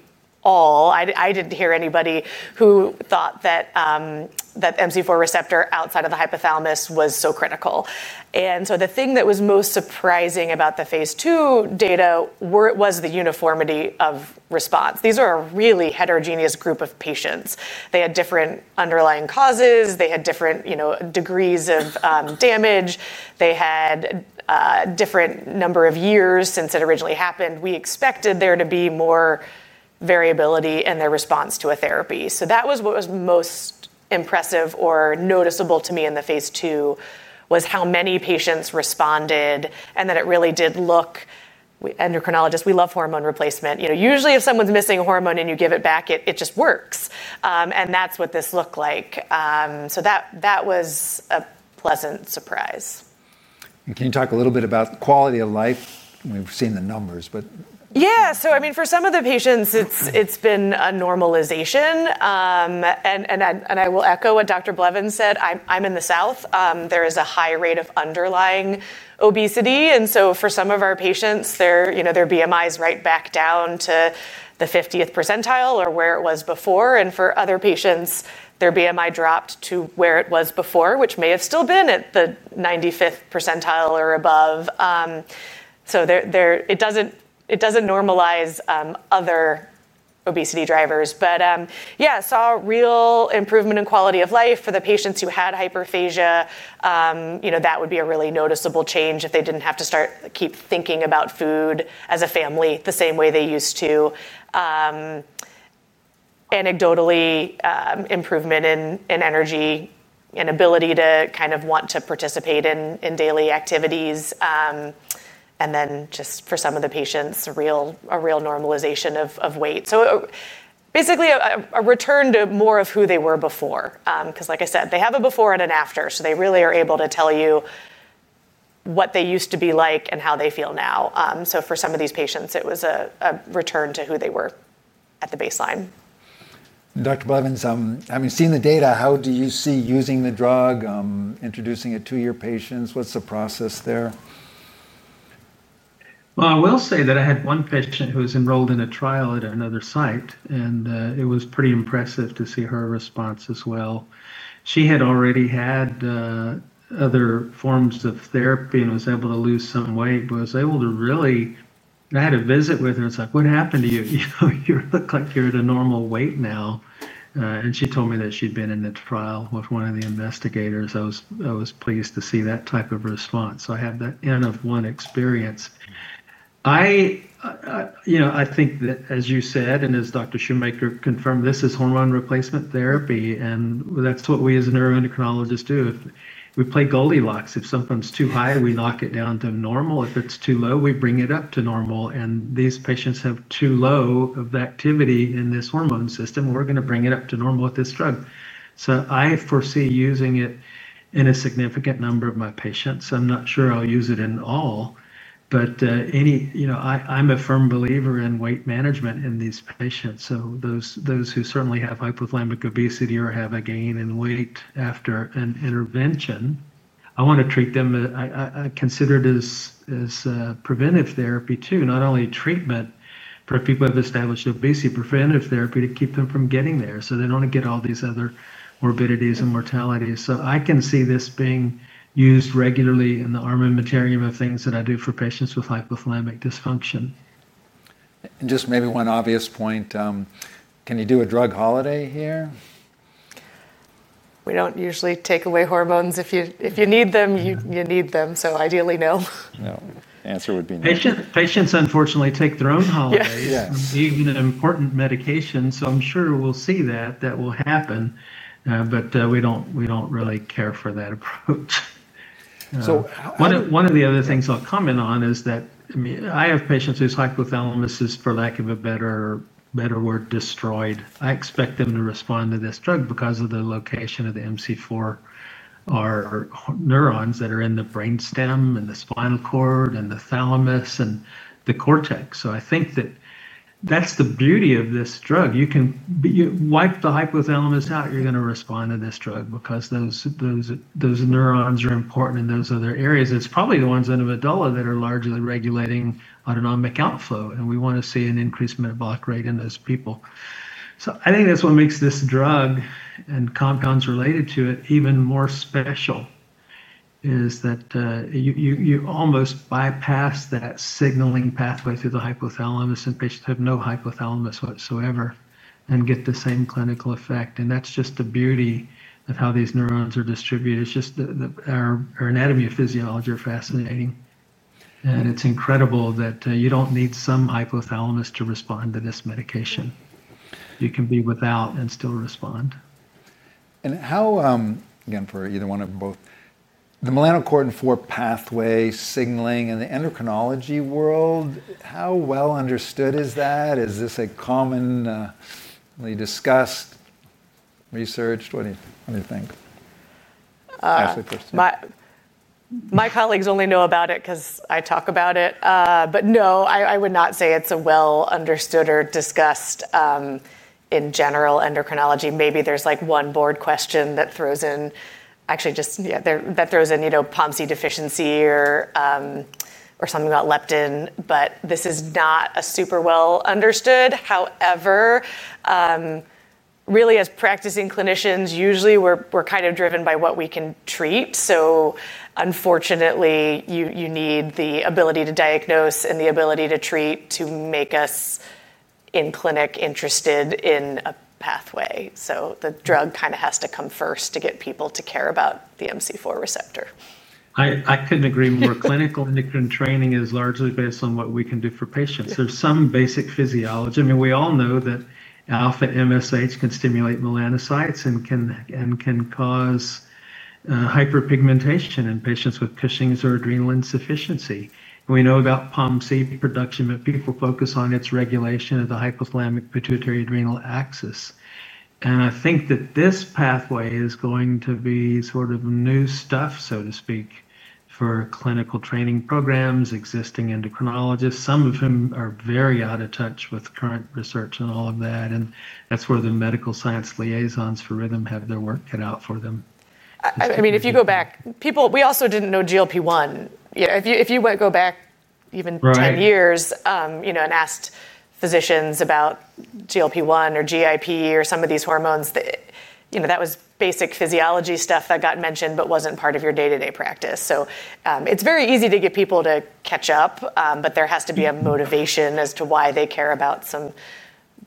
all, I didn't hear anybody who thought that MC4R outside of the hypothalamus was so critical. The thing that was most surprising about the phase II data was the uniformity of response. These are a really heterogeneous group of patients. They had different underlying causes. They had different degrees of damage. They had a different number of years since it originally happened. We expected there to be more variability in their response to a therapy. That was what was most impressive or noticeable to me in the phase II, how many patients responded and that it really did look, we endocrinologists, we love hormone replacement. Usually if someone's missing a hormone and you give it back, it just works. That's what this looked like. That was a pleasant surprise. Can you talk a little bit about the quality of life? We've seen the numbers, but. Yeah, so I mean, for some of the patients, it's been a normalization. I will echo what Dr. Blevins said. I'm in the South. There is a high rate of underlying obesity. For some of our patients, their BMI is right back down to the 50th percentile or where it was before. For other patients, their BMI dropped to where it was before, which may have still been at the 95th percentile or above. It doesn't normalize other obesity drivers. I saw real improvement in quality of life for the patients who had hyperphagia. That would be a really noticeable change if they didn't have to keep thinking about food as a family the same way they used to. Anecdotally, improvement in energy and ability to kind of want to participate in daily activities. For some of the patients, a real normalization of weight, basically a return to more of who they were before. Like I said, they have a before and an after. They really are able to tell you what they used to be like and how they feel now. For some of these patients, it was a return to who they were at the baseline. Dr. Blevins, having seen the data, how do you see using the drug, introducing it to your patients? What's the process there? I will say that I had one patient who was enrolled in a trial at another site, and it was pretty impressive to see her response as well. She had already had other forms of therapy and was able to lose some weight, but was able to really, I had a visit with her. I was like, what happened to you? You look like you're at a normal weight now. She told me that she'd been in the trial with one of the investigators. I was pleased to see that type of response. I have that end-of-one experience. I think that, as you said, and as Dr. Shoemaker confirmed, this is hormone replacement therapy. That's what we as neuroendocrinologists do. We play Goldilocks, if something's too high, we lock it down to normal. If it's too low, we bring it up to normal. These patients have too low of activity in this hormone system. We're going to bring it up to normal with this drug. I foresee using it in a significant number of my patients. I'm not sure I'll use it in all, but any, you know, I'm a firm believer in weight management in these patients. Those who certainly have hypothalamic obesity or have a gain in weight after an intervention, I want to treat them. I consider it as preventive therapy too, not only treatment, but people have established obesity preventive therapy to keep them from getting there. They don't want to get all these other morbidities and mortalities. I can see this being used regularly in the armamentarium of things that I do for patients with hypothalamic dysfunction. Maybe one obvious point. Can you do a drug holiday here? We don't usually take away hormones. If you need them, you need them. Ideally, no. No, answer would be no. Patients unfortunately take their own holidays, even important medications. I'm sure we'll see that, that will happen. We don't really care for that approach. So. One of the other things I'll comment on is that I have patients whose hypothalamus is, for lack of a better word, destroyed. I expect them to respond to this drug because of the location of the MC4R neurons that are in the brainstem and the spinal cord and the thalamus and the cortex. I think that that's the beauty of this drug. You can wipe the hypothalamus out. You're going to respond to this drug because those neurons are important in those other areas. It's probably the ones in the medulla that are largely regulating autonomic outflow. We want to see an increased metabolic rate in those people. I think that's what makes this drug and compounds related to it even more special is that you almost bypass that signaling pathway to the hypothalamus in patients who have no hypothalamus whatsoever and get the same clinical effect. That's just the beauty of how these neurons are distributed. It's just that our anatomy and physiology are fascinating. It's incredible that you don't need some hypothalamus to respond to this medication. You can be without and still respond. For either one or both, the MC4R pathway signaling in the endocrinology world, how well understood is that? Is this commonly discussed, researched? What do you think? My colleagues only know about it because I talk about it. No, I would not say it's well understood or discussed in general endocrinology. Maybe there's like one board question that throws in, actually just, yeah, that throws in, you know, POMC deficiency or something about leptin. This is not super well understood. However, really, as practicing clinicians, usually we're kind of driven by what we can treat. Unfortunately, you need the ability to diagnose and the ability to treat to make us in clinic interested in a pathway. The drug kind of has to come first to get people to care about the MC4R receptor. I couldn't agree more. Clinical endocrine training is largely based on what we can do for patients. There's some basic physiology. I mean, we all know that alpha MSH can stimulate melanocytes and can cause hyperpigmentation in patients with Cushing's or adrenal insufficiency. We know about POMC production, but people focus on its regulation of the hypothalamic pituitary adrenal axis. I think that this pathway is going to be sort of new stuff, so to speak, for clinical training programs, existing endocrinologists, some of whom are very out of touch with current research and all of that. That's where the medical science liaisons for Rhythm have their work cut out for them. If you go back, we also didn't know GLP-1. If you go back even 10 years and asked physicians about GLP-1 or GIP or some of these hormones, that was basic physiology stuff that got mentioned but wasn't part of your day-to-day practice. It's very easy to get people to catch up, but there has to be a motivation as to why they care about some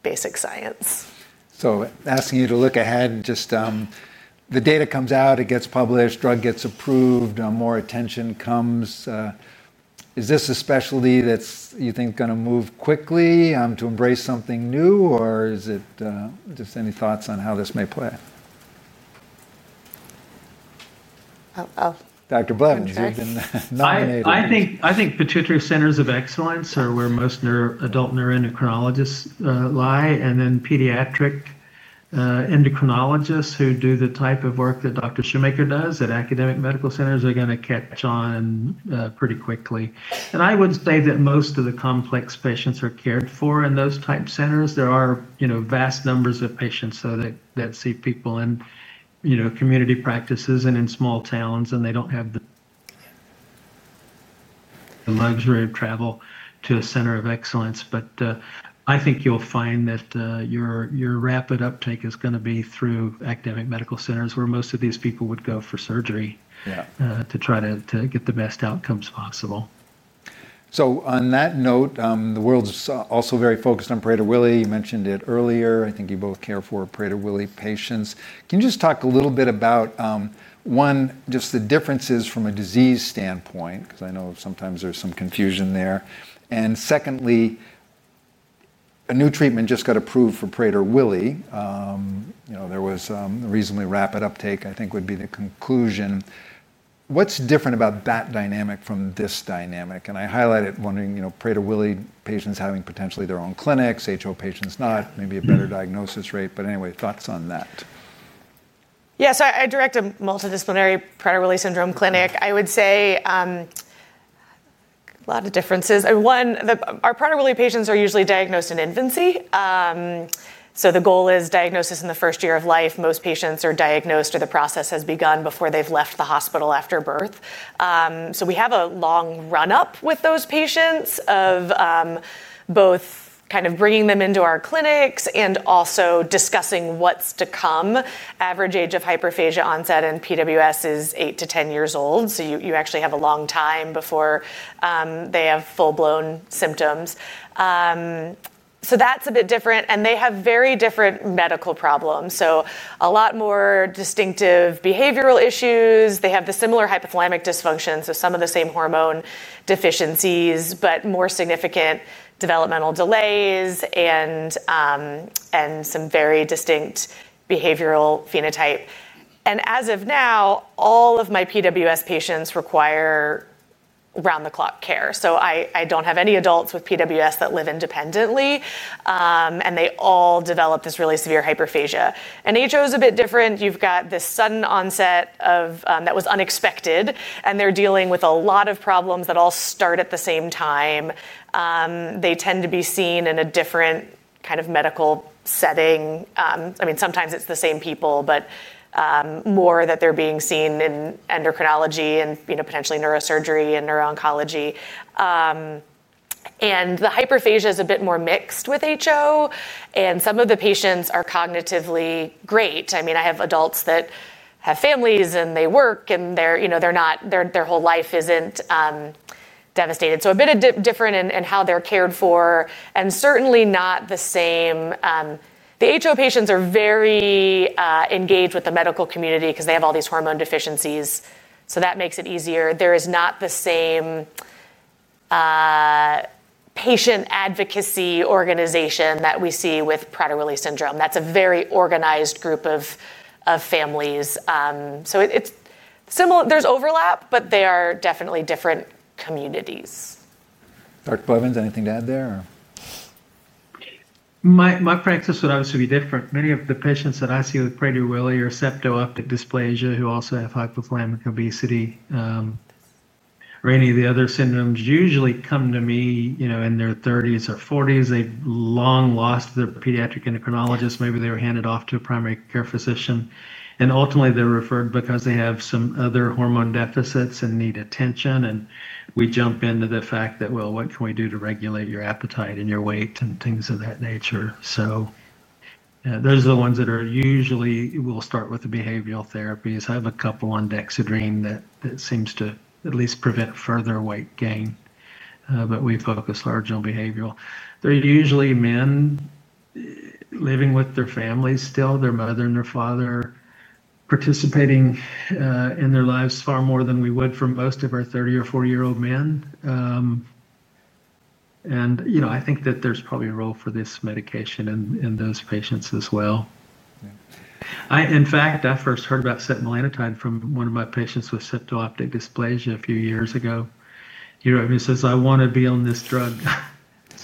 basic science. Asking you to look ahead, the data comes out, it gets published, drug gets approved, more attention comes. Is this a specialty that you think is going to move quickly to embrace something new, or is it just any thoughts on how this may play? Oh, well. Dr. Blevins, you've been nominated. I think pituitary centers of excellence are where most adult neuroendocrinologists lie. Then pediatric endocrinologists who do the type of work that Dr. Shoemaker does at academic medical centers are going to catch on pretty quickly. I would say that most of the complex patients are cared for in those type centers. There are vast numbers of patients that see people in community practices and in small towns, and they don't have the luxury of travel to a center of excellence. I think you'll find that your rapid uptake is going to be through academic medical centers where most of these people go. For surgery, yeah, to try to get the best outcomes possible. On that note, the world's also very focused on Prader-Willi. You mentioned it earlier. I think you both care for Prader-Willi patients. Can you just talk a little bit about, one, just the differences from a disease standpoint? I know sometimes there's some confusion there. Secondly, a new treatment just got approved for Prader-Willi. There was a reasonably rapid uptake, I think would be the conclusion. What's different about that dynamic from this dynamic? I highlighted wondering, Prader-Willi patients having potentially their own clinics, HO patients not, maybe a better diagnosis rate. Anyway, thoughts on that? Yeah, so I direct a multidisciplinary Prader-Willi syndrome clinic. I would say, a lot of differences. One, our Prader-Willi patients are usually diagnosed in infancy. The goal is diagnosis in the first year of life. Most patients are diagnosed or the process has begun before they've left the hospital after birth. We have a long run-up with those patients of both kind of bringing them into our clinics and also discussing what's to come. Average age of hyperphagia onset in PWS is eight to ten years old. You actually have a long time before they have full-blown symptoms. That's a bit different. They have very different medical problems, a lot more distinctive behavioral issues. They have similar hypothalamic dysfunctions, so some of the same hormone deficiencies, but more significant developmental delays and some very distinct behavioral phenotype. As of now, all of my PWS patients require round-the-clock care. I don't have any adults with PWS that live independently, and they all develop this really severe hyperphagia. HO is a bit different. You've got this sudden onset that was unexpected, and they're dealing with a lot of problems that all start at the same time. They tend to be seen in a different kind of medical setting. I mean, sometimes it's the same people, but more that they're being seen in endocrinology and potentially neurosurgery and neuro-oncology. The hyperphagia is a bit more mixed with HO, and some of the patients are cognitively great. I have adults that have families and they work and they're, you know, they're not, their whole life isn't devastated. A bit different in how they're cared for and certainly not the same. The HO patients are very engaged with the medical community because they have all these hormone deficiencies. That makes it easier. There is not the same patient advocacy organization that we see with Prader-Willi syndrome. That's a very organized group of families. It's similar, there's overlap, but they are definitely different communities. Dr. Blevins, anything to add there? My practice would obviously be different. Many of the patients that I see with Prader-Willi or septo-optic dysplasia, who also have hypothalamic obesity, or any of the other syndromes, usually come to me in their 30s or 40s. They've long lost their pediatric endocrinologist. Maybe they were handed off to a primary care physician. Ultimately, they're referred because they have some other hormone deficits and need attention. We jump into the fact that, what can we do to regulate your appetite and your weight and things of that nature? Those are the ones that usually, we'll start with the behavioral therapies. I have a couple on Dexedrine that seems to at least prevent further weight gain, but we focus largely on behavioral. They're usually men living with their families still. Their mother and their father are participating in their lives far more than we would for most of our 30 or 40-year-old men. I think that there's probably a role for this medication in those patients as well. In fact, I first heard about setmelanotide from one of my patients with septo-optic dysplasia a few years ago. He says, "I want to be on this drug."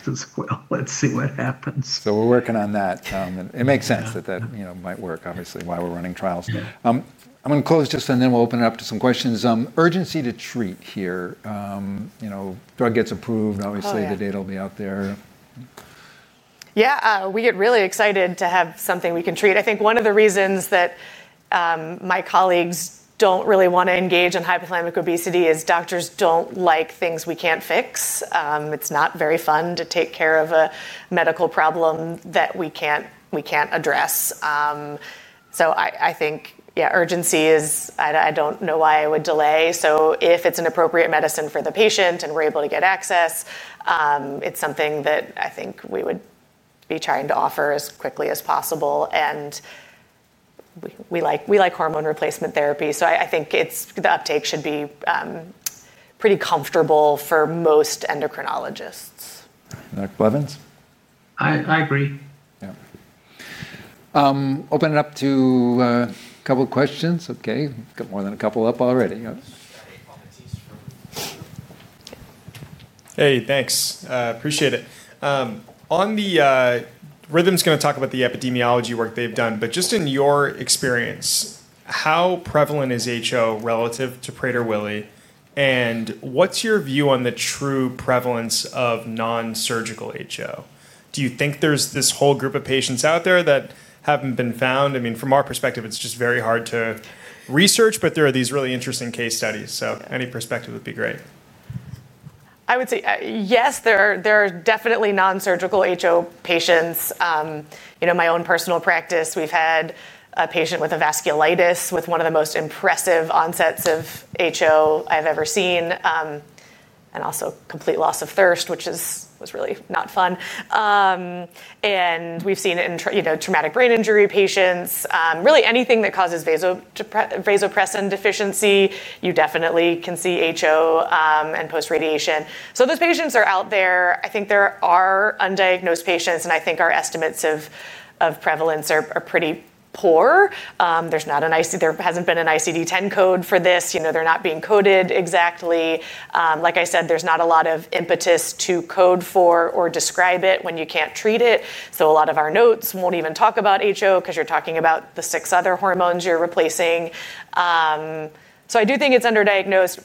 I said, "Let's see what happens. We are working on that. It makes sense that that, you know, might work, obviously, while we are running trials. I am going to close this and then we will open it up to some questions. Urgency to treat here. You know, drug gets approved, obviously, the data will be out there. Yeah, we get really excited to have something we can treat. I think one of the reasons that my colleagues don't really want to engage in hypothalamic obesity is doctors don't like things we can't fix. It's not very fun to take care of a medical problem that we can't address. I think, yeah, urgency is, I don't know why I would delay. If it's an appropriate medicine for the patient and we're able to get access, it's something that I think we would be trying to offer as quickly as possible. We like hormone replacement therapy. I think the uptake should be pretty comfortable for most endocrinologists. Dr. Blevins? I agree. Yeah, open it up to a couple of questions. Okay, got more than a couple up already. Hey, thanks. Appreciate it. On the Rhythm, going to talk about the epidemiology work they've done. Just in your experience, how prevalent is HO relative to Prader-Willi? What's your view on the true prevalence of non-surgical HO? Do you think there's this whole group of patients out there that haven't been found? From our perspective, it's just very hard to research, but there are these really interesting case studies. Any perspective would be great. I would say yes, there are definitely non-surgical HO patients. In my own personal practice, we've had a patient with a vasculitis with one of the most impressive onsets of HO I've ever seen, and also complete loss of thirst, which was really not fun. We've seen it in traumatic brain injury patients. Really, anything that causes vasopressin deficiency, you definitely can see HO and post-radiation. Those patients are out there. I think there are undiagnosed patients, and I think our estimates of prevalence are pretty poor. There's not an ICD, there hasn't been an ICD-10 code for this. They're not being coded exactly. Like I said, there's not a lot of impetus to code for or describe it when you can't treat it. A lot of our notes won't even talk about HO because you're talking about the six other hormones you're replacing. I do think it's underdiagnosed.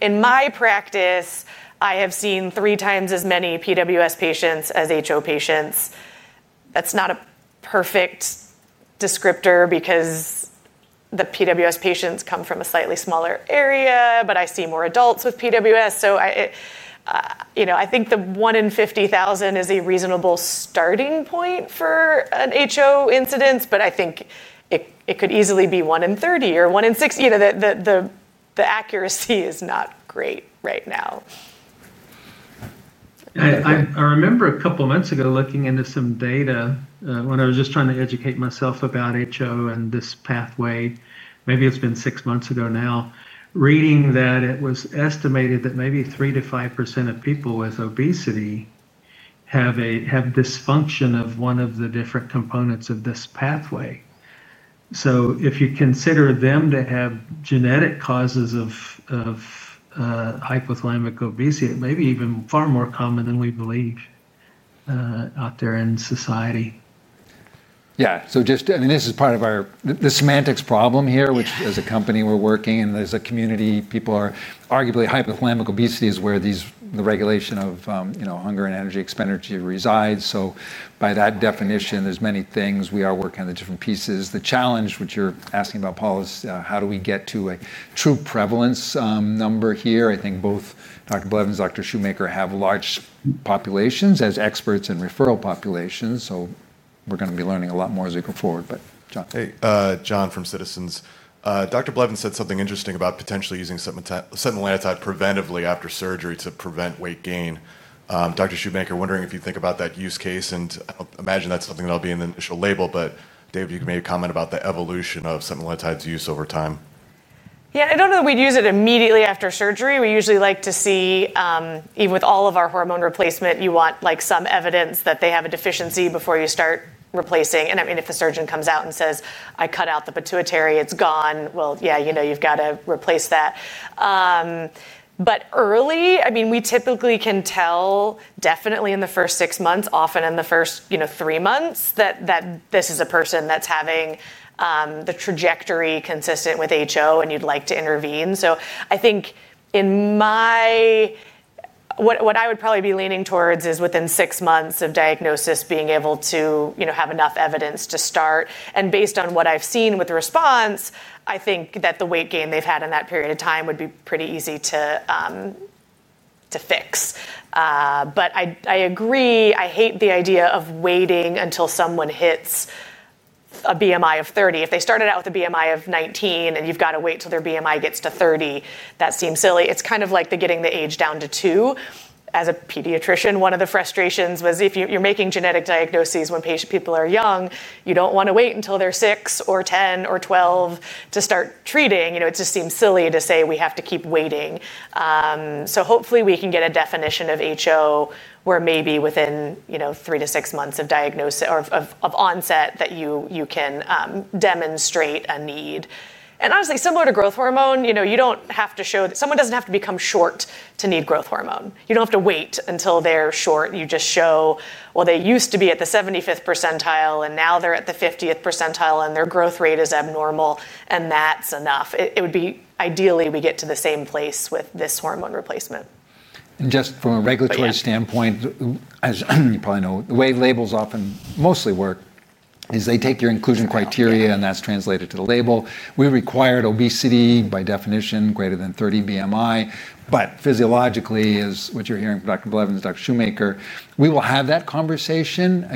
In my practice, I have seen three times as many PWS patients as HO patients. That's not a perfect descriptor because the PWS patients come from a slightly smaller area, but I see more adults with PWS. I think the one in 50,000 is a reasonable starting point for an HO incidence, but I think it could easily be one in 30 or one in 60. The accuracy is not great right now. I remember a couple of months ago looking into some data when I was just trying to educate myself about HO and this pathway. Maybe it's been six months ago now. Reading that it was estimated that maybe 3%-5% of people with obesity have a dysfunction of one of the different components of this pathway. If you consider them to have genetic causes of hypothalamic obesity, it may be even far more common than we believe out there in society. Yeah, so just, I mean, this is part of our, the semantics problem here, which as a company we're working in, as a community, people are arguably hypothalamic obesity is where the regulation of hunger and energy expenditure resides. By that definition, there's many things we are working on the different pieces. The challenge, which you're asking about, Paul, is how do we get to a true prevalence number here? I think both Dr. Blevins and Dr. Shoemaker have large populations as experts in referral populations. We're going to be learning a lot more as we go forward. But John. Hey, John from Citizens. Dr. Blevins said something interesting about potentially using setmelanotide preventively after surgery to prevent weight gain. Dr. Shoemaker, wondering if you think about that use case and imagine that's something that'll be in the initial label, but David, you made a comment about the evolution of setmelanotide's use over time. Yeah, I don't know that we'd use it immediately after surgery. We usually like to see, even with all of our hormone replacement, you want some evidence that they have a deficiency before you start replacing. If the surgeon comes out and says, "I cut out the pituitary, it's gone." Yeah, you know, you've got to replace that. Early, we typically can tell definitely in the first six months, often in the first three months that this is a person that's having the trajectory consistent with HO and you'd like to intervene. I think in my, what I would probably be leaning towards is within six months of diagnosis, being able to have enough evidence to start. Based on what I've seen with the response, I think that the weight gain they've had in that period of time would be pretty easy to fix. I agree, I hate the idea of waiting until someone hits a BMI of 30. If they started out with a BMI of 19 and you've got to wait till their BMI gets to 30, that seems silly. It's kind of like getting the age down to two. As a pediatrician, one of the frustrations was if you're making genetic diagnoses when people are young, you don't want to wait until they're six or 10 or 12 to start treating. It just seems silly to say we have to keep waiting. Hopefully we can get a definition of HO where maybe within three to six months of diagnosis or of onset that you can demonstrate a need. Honestly, similar to growth hormone, you don't have to show that someone doesn't have to become short to need growth hormone. You don't have to wait until they're short. You just show, well, they used to be at the 75th percentile and now they're at the 50th percentile and their growth rate is abnormal. That's enough. Ideally, we get to the same place with this hormone replacement. From a regulatory standpoint, as you probably know, the way labels often mostly work is they take your inclusion criteria and that's translated to the label. We required obesity by definition, greater than 30 BMI. Physiologically, as you're hearing from Dr. Blevins and Dr. Shoemaker, we will have that conversation.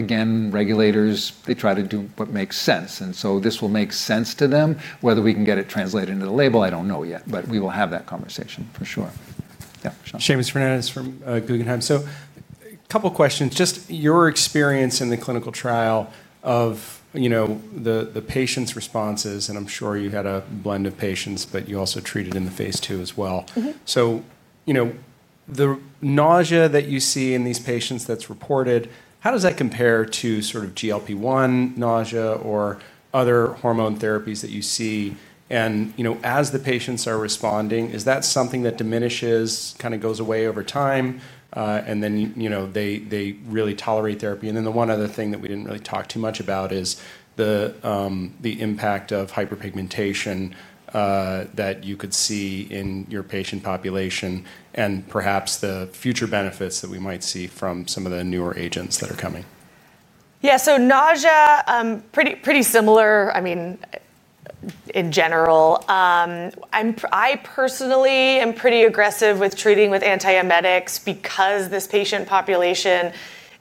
Regulators try to do what makes sense, and this will make sense to them. Whether we can get it translated into the label, I don't know yet, but we will have that conversation for sure. Yeah. Seamus Fernandez from Guggenheim. A couple of questions, just your experience in the clinical trial of the patient's responses. I'm sure you had a blend of patients, but you also treated in the phase II as well. The nausea that you see in these patients that's reported, how does that compare to sort of GLP-1 nausea or other hormone therapies that you see? As the patients are responding, is that something that diminishes, kind of goes away over time? They really tolerate therapy. The one other thing that we didn't really talk too much about is the impact of hyperpigmentation that you could see in your patient population and perhaps the future benefits that we might see from some of the newer agents that are coming. Yeah, so nausea, pretty, pretty similar. I mean, in general, I personally am pretty aggressive with treating with antiemetics because this patient population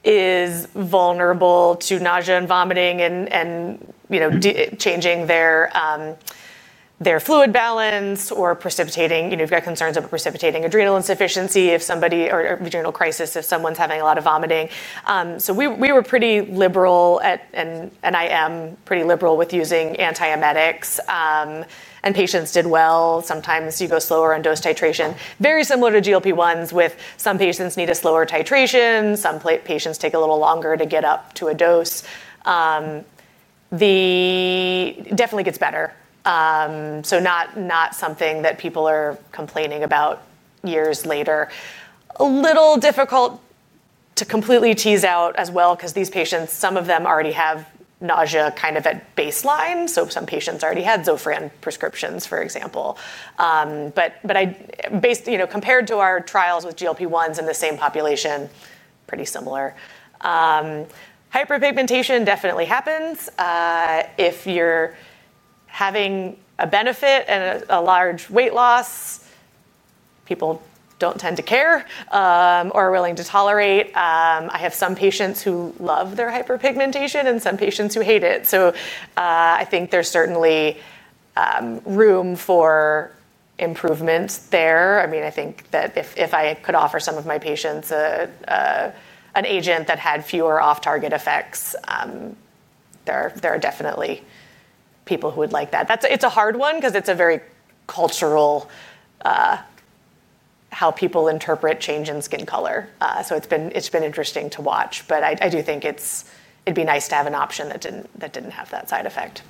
is vulnerable to nausea and vomiting, and, you know, changing their fluid balance or precipitating, you know, you've got concerns about precipitating adrenal insufficiency if somebody, or adrenal crisis if someone's having a lot of vomiting. We were pretty liberal at, and I am pretty liberal with using antiemetics, and patients did well. Sometimes you go slower on dose titration, very similar to GLP-1s, with some patients need a slower titration, some patients take a little longer to get up to a dose. It definitely gets better, not something that people are complaining about years later. A little difficult to completely tease out as well, because these patients, some of them already have nausea kind of at baseline. Some patients already had Zofran prescriptions, for example. But, based, you know, compared to our trials with GLP-1s in the same population, pretty similar. Hyperpigmentation definitely happens. If you're having a benefit and a large weight loss, people don't tend to care, or are willing to tolerate. I have some patients who love their hyperpigmentation and some patients who hate it. I think there's certainly room for improvement there. I mean, I think that if I could offer some of my patients an agent that had fewer off-target effects, there are definitely people who would like that. It's a hard one because it's very cultural, how people interpret change in skin color. It's been interesting to watch. I do think it'd be nice to have an option that didn't have that side effect.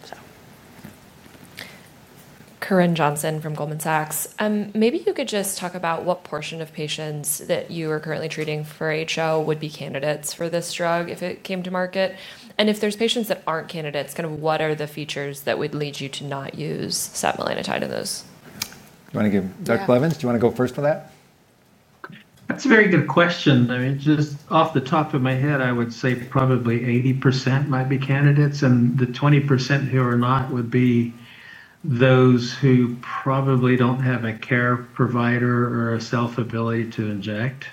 Karen Johnson from Goldman Sachs. Maybe you could just talk about what portion of patients that you are currently treating for HO would be candidates for this drug if it came to market. If there's patients that aren't candidates, kind of what are the features that would lead you to not use setmelanotide in those? Do you want to give, Dr. Blevins, do you want to go first for that? It's a very good question. I mean, just off the top of my head, I would say probably 80% might be candidates. The 20% who are not would be those who probably don't have a care provider or a self-ability to inject.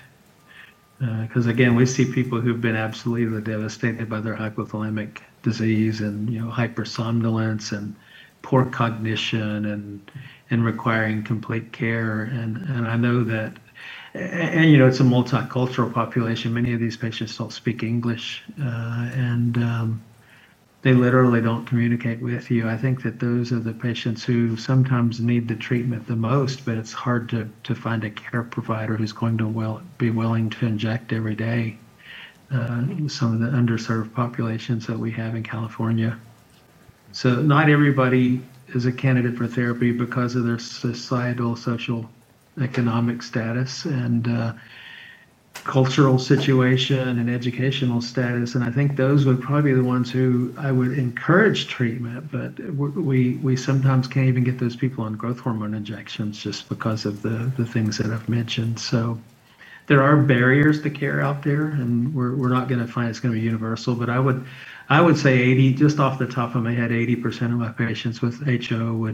Because again, we see people who've been absolutely devastated by their hypothalamic disease, and, you know, hypersomnolence and poor cognition and requiring complete care. I know that, and, you know, it's a multicultural population. Many of these patients don't speak English, and they literally don't communicate with you. I think that those are the patients who sometimes need the treatment the most, but it's hard to find a care provider who's going to be willing to inject every day in some of the underserved populations that we have in California. Not everybody is a candidate for therapy because of their societal, social, economic status, cultural situation, and educational status. I think those would probably be the ones who I would encourage treatment, but we sometimes can't even get those people on growth hormone injections just because of the things that I've mentioned. There are barriers to care out there, and we're not going to find it's going to be universal. I would say 80, just off the top of my head, 80% of my patients with HO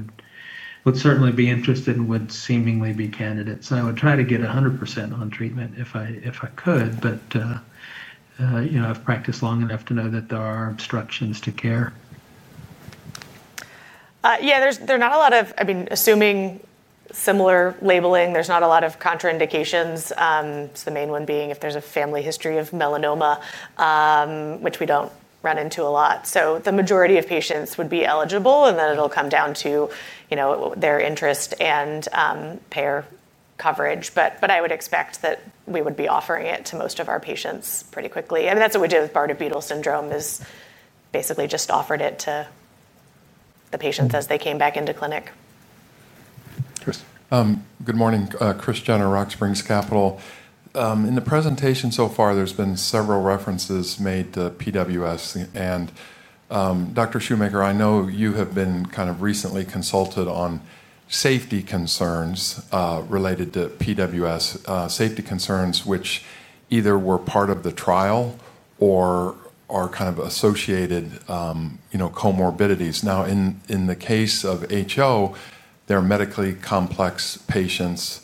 would certainly be interested and would seemingly be candidates. I would try to get 100% on treatment if I could. You know, I've practiced long enough to know that there are obstructions to care. Yeah, there's not a lot of, I mean, assuming similar labeling, there's not a lot of contraindications. The main one being if there's a family history of melanoma, which we don't run into a lot. The majority of patients would be eligible, and then it'll come down to, you know, their interest and care coverage. I would expect that we would be offering it to most of our patients pretty quickly. I mean, that's what we did with Bardet-Biedl syndrome, is basically just offered it to the patients as they came back into clinic. Good morning. Kris Jenner, Rock Springs Capital. In the presentation so far, there's been several references made to PWS. Dr. Shoemaker, I know you have been kind of recently consulted on safety concerns related to PWS, safety concerns which either were part of the trial or are kind of associated, you know, comorbidities. In the case of HO, they're medically complex patients.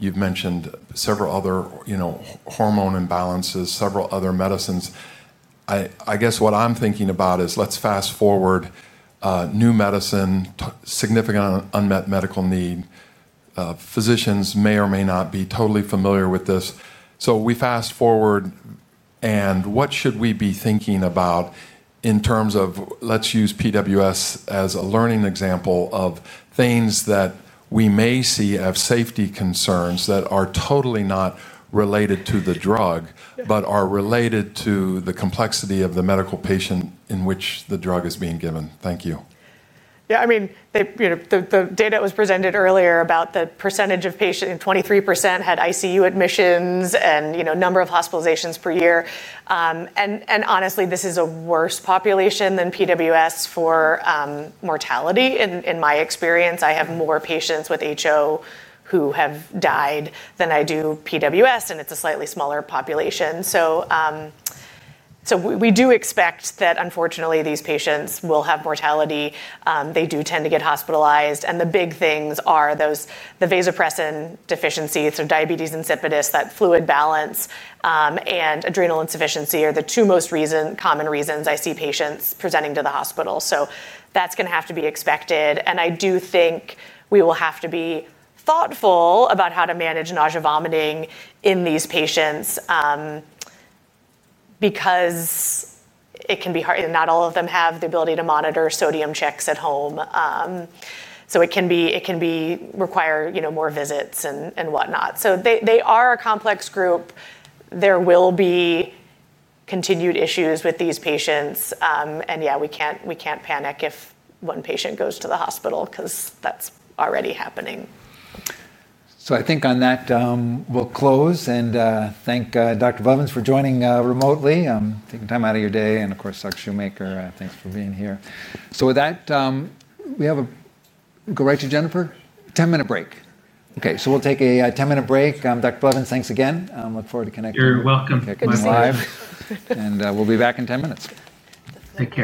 You've mentioned several other, you know, hormone imbalances, several other medicines. I guess what I'm thinking about is let's fast forward new medicine, significant unmet medical need. Physicians may or may not be totally familiar with this. We fast forward, and what should we be thinking about in terms of, let's use PWS as a learning example of things that we may see as safety concerns that are totally not related to the drug, but are related to the complexity of the medical patient in which the drug is being given. Thank you. Yeah, I mean, you know, the data that was presented earlier about the percentage of patients, 23% had ICU admissions and, you know, number of hospitalizations per year. Honestly, this is a worse population than PWS for mortality. In my experience, I have more patients with HO who have died than I do PWS, and it's a slightly smaller population. We do expect that, unfortunately, these patients will have mortality. They do tend to get hospitalized. The big things are those, the vasopressin deficiencies, so diabetes insipidus, that fluid balance, and adrenal insufficiency are the two most recent common reasons I see patients presenting to the hospital. That's going to have to be expected. I do think we will have to be thoughtful about how to manage nausea and vomiting in these patients because it can be hard. Not all of them have the ability to monitor sodium checks at home. It can require, you know, more visits and whatnot. They are a complex group. There will be continued issues with these patients. We can't, we can't panic if one patient goes to the hospital because that's already happening. I think on that, we'll close and thank Dr. Blevins for joining remotely, taking time out of your day. Of course, Dr. Shoemaker, thanks for being here. With that, we have a go right to Jennifer. 10-minute break. Okay, we'll take a 10-minute break. Dr. Blevins, thanks again. I look forward to connecting with you. You're welcome. We'll be back in 10 minutes. Take.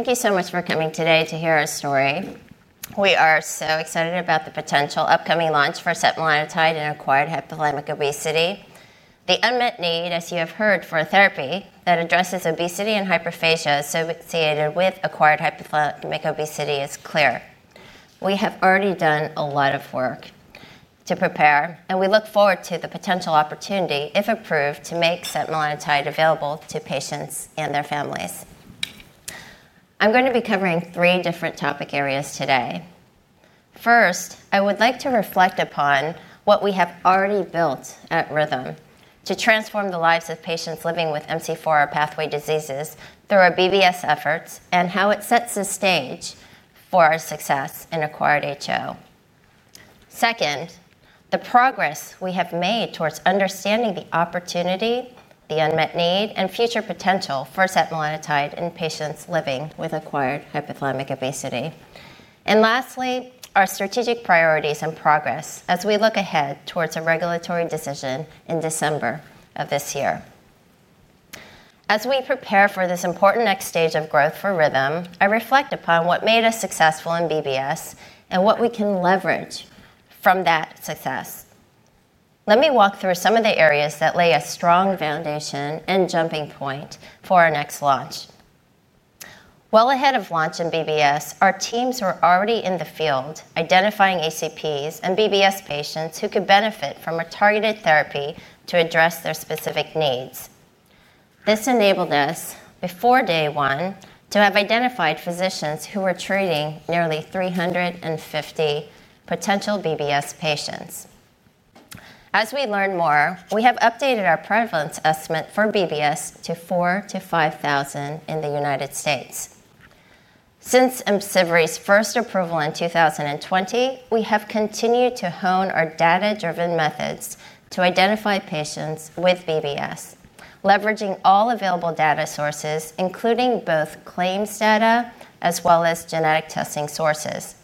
Thank you so much for coming today to hear our story. We are so excited about the potential upcoming launch for setmelanotide and acquired hypothalamic obesity. The unmet need, as you have heard, for a therapy that addresses obesity and hyperphagia associated with acquired hypothalamic obesity is clear. We have already done a lot of work to prepare, and we look forward to the potential opportunity, if approved, to make setmelanotide available to patients and their families. I'm going to be covering three different topic areas today. First, I would like to reflect upon what we have already built at Rhythm to transform the lives of patients living with MC4R pathway diseases through our BBS efforts and how it sets the stage for our success in acquired HO. Second, the progress we have made towards understanding the opportunity, the unmet need, and future potential for setmelanotide in patients living with acquired hypothalamic obesity. Lastly, our strategic priorities and progress as we look ahead towards a regulatory decision in December of this year. As we prepare for this important next stage of growth for Rhythm, I reflect upon what made us successful in BBS and what we can leverage from that success. Let me walk through some of the areas that lay a strong foundation and jumping point for our next launch. Ahead of launch in BBS, our teams were already in the field identifying HCPs and BBS patients who could benefit from a targeted therapy to address their specific needs. This enabled us, before day one, to have identified physicians who were treating nearly 350 potential BBS patients. As we learn more, we have updated our prevalence estimate for BBS to 4,000 to 5,000 in the U.S. Since IMCIVREE's first approval in 2020, we have continued to hone our data-driven methods to identify patients with BBS, leveraging all available data sources, including both claims data as well as genetic testing sources.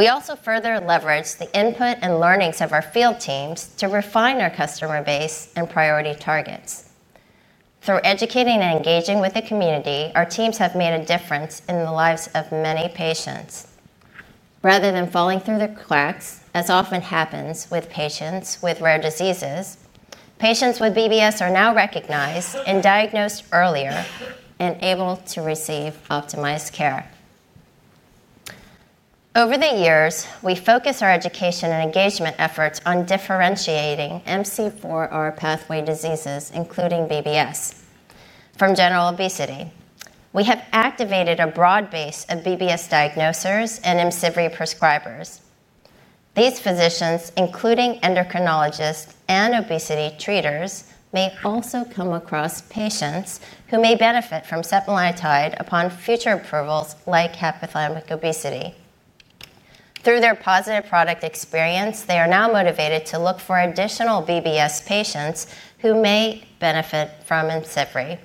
We also further leveraged the input and learnings of our field teams to refine our customer base and priority targets. Through educating and engaging with the community, our teams have made a difference in the lives of many patients. Rather than falling through the cracks, as often happens with patients with rare diseases, patients with BBS are now recognized and diagnosed earlier and able to receive optimized care. Over the years, we focused our education and engagement efforts on differentiating MC4R pathway diseases, including BBS, from general obesity. We have activated a broad base of BBS diagnosers and IMCIVREE prescribers. These physicians, including endocrinologists and obesity treaters, may also come across patients who may benefit from setmelanotide upon future approvals like hypothalamic obesity. Through their positive product experience, they are now motivated to look for additional BBS patients who may benefit from IMCIVREE.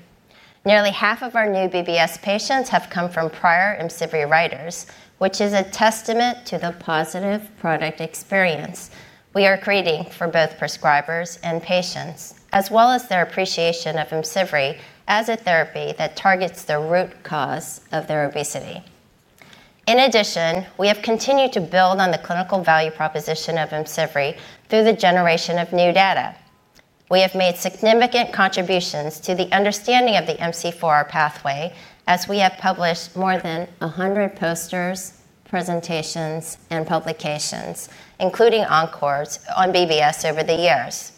Nearly half of our new BBS patients have come from prior IMCIVREE writers, which is a testament to the positive product experience we are creating for both prescribers and patients, as well as their appreciation of IMCIVREE as a therapy that targets the root cause of their obesity. In addition, we have continued to build on the clinical value proposition of IMCIVREE through the generation of new data. We have made significant contributions to the understanding of the MC4R pathway as we have published more than 100 posters, presentations, and publications, including encores on BBS over the years.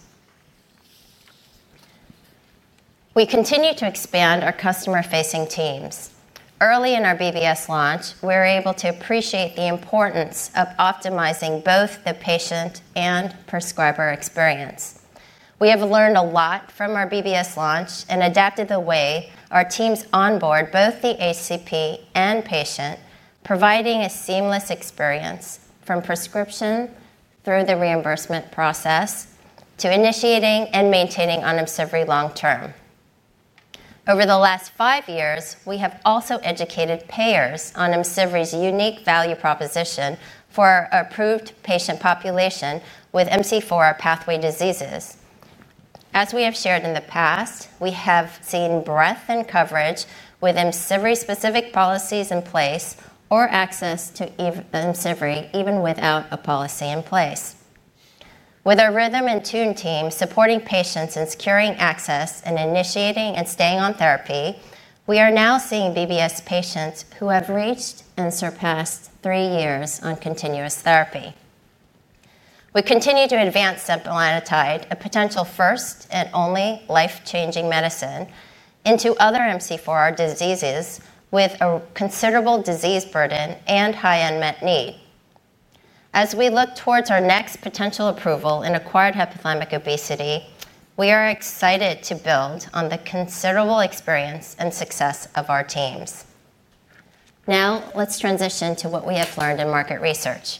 We continue to expand our customer-facing teams. Early in our BBS launch, we were able to appreciate the importance of optimizing both the patient and prescriber experience. We have learned a lot from our BBS launch and adapted the way our teams onboard both the HCP and patient, providing a seamless experience from prescription through the reimbursement process to initiating and maintaining on IMCIVREE long-term. Over the last five years, we have also educated payers on IMCIVREE's unique value proposition for our approved patient population with MC4R pathway diseases. As we have shared in the past, we have seen breadth and coverage with IMCIVREE-specific policies in place or access to IMCIVREE even without a policy in place. With our Rhythm inTune team supporting patients in securing access and initiating and staying on therapy, we are now seeing BBS patients who have reached and surpassed three years on continuous therapy. We continue to advance setmelanotide, a potential first and only life-changing medicine, into other MC4R diseases with a considerable disease burden and high unmet need. As we look towards our next potential approval in acquired hypothalamic obesity, we are excited to build on the considerable experience and success of our teams. Now, let's transition to what we have learned in market research.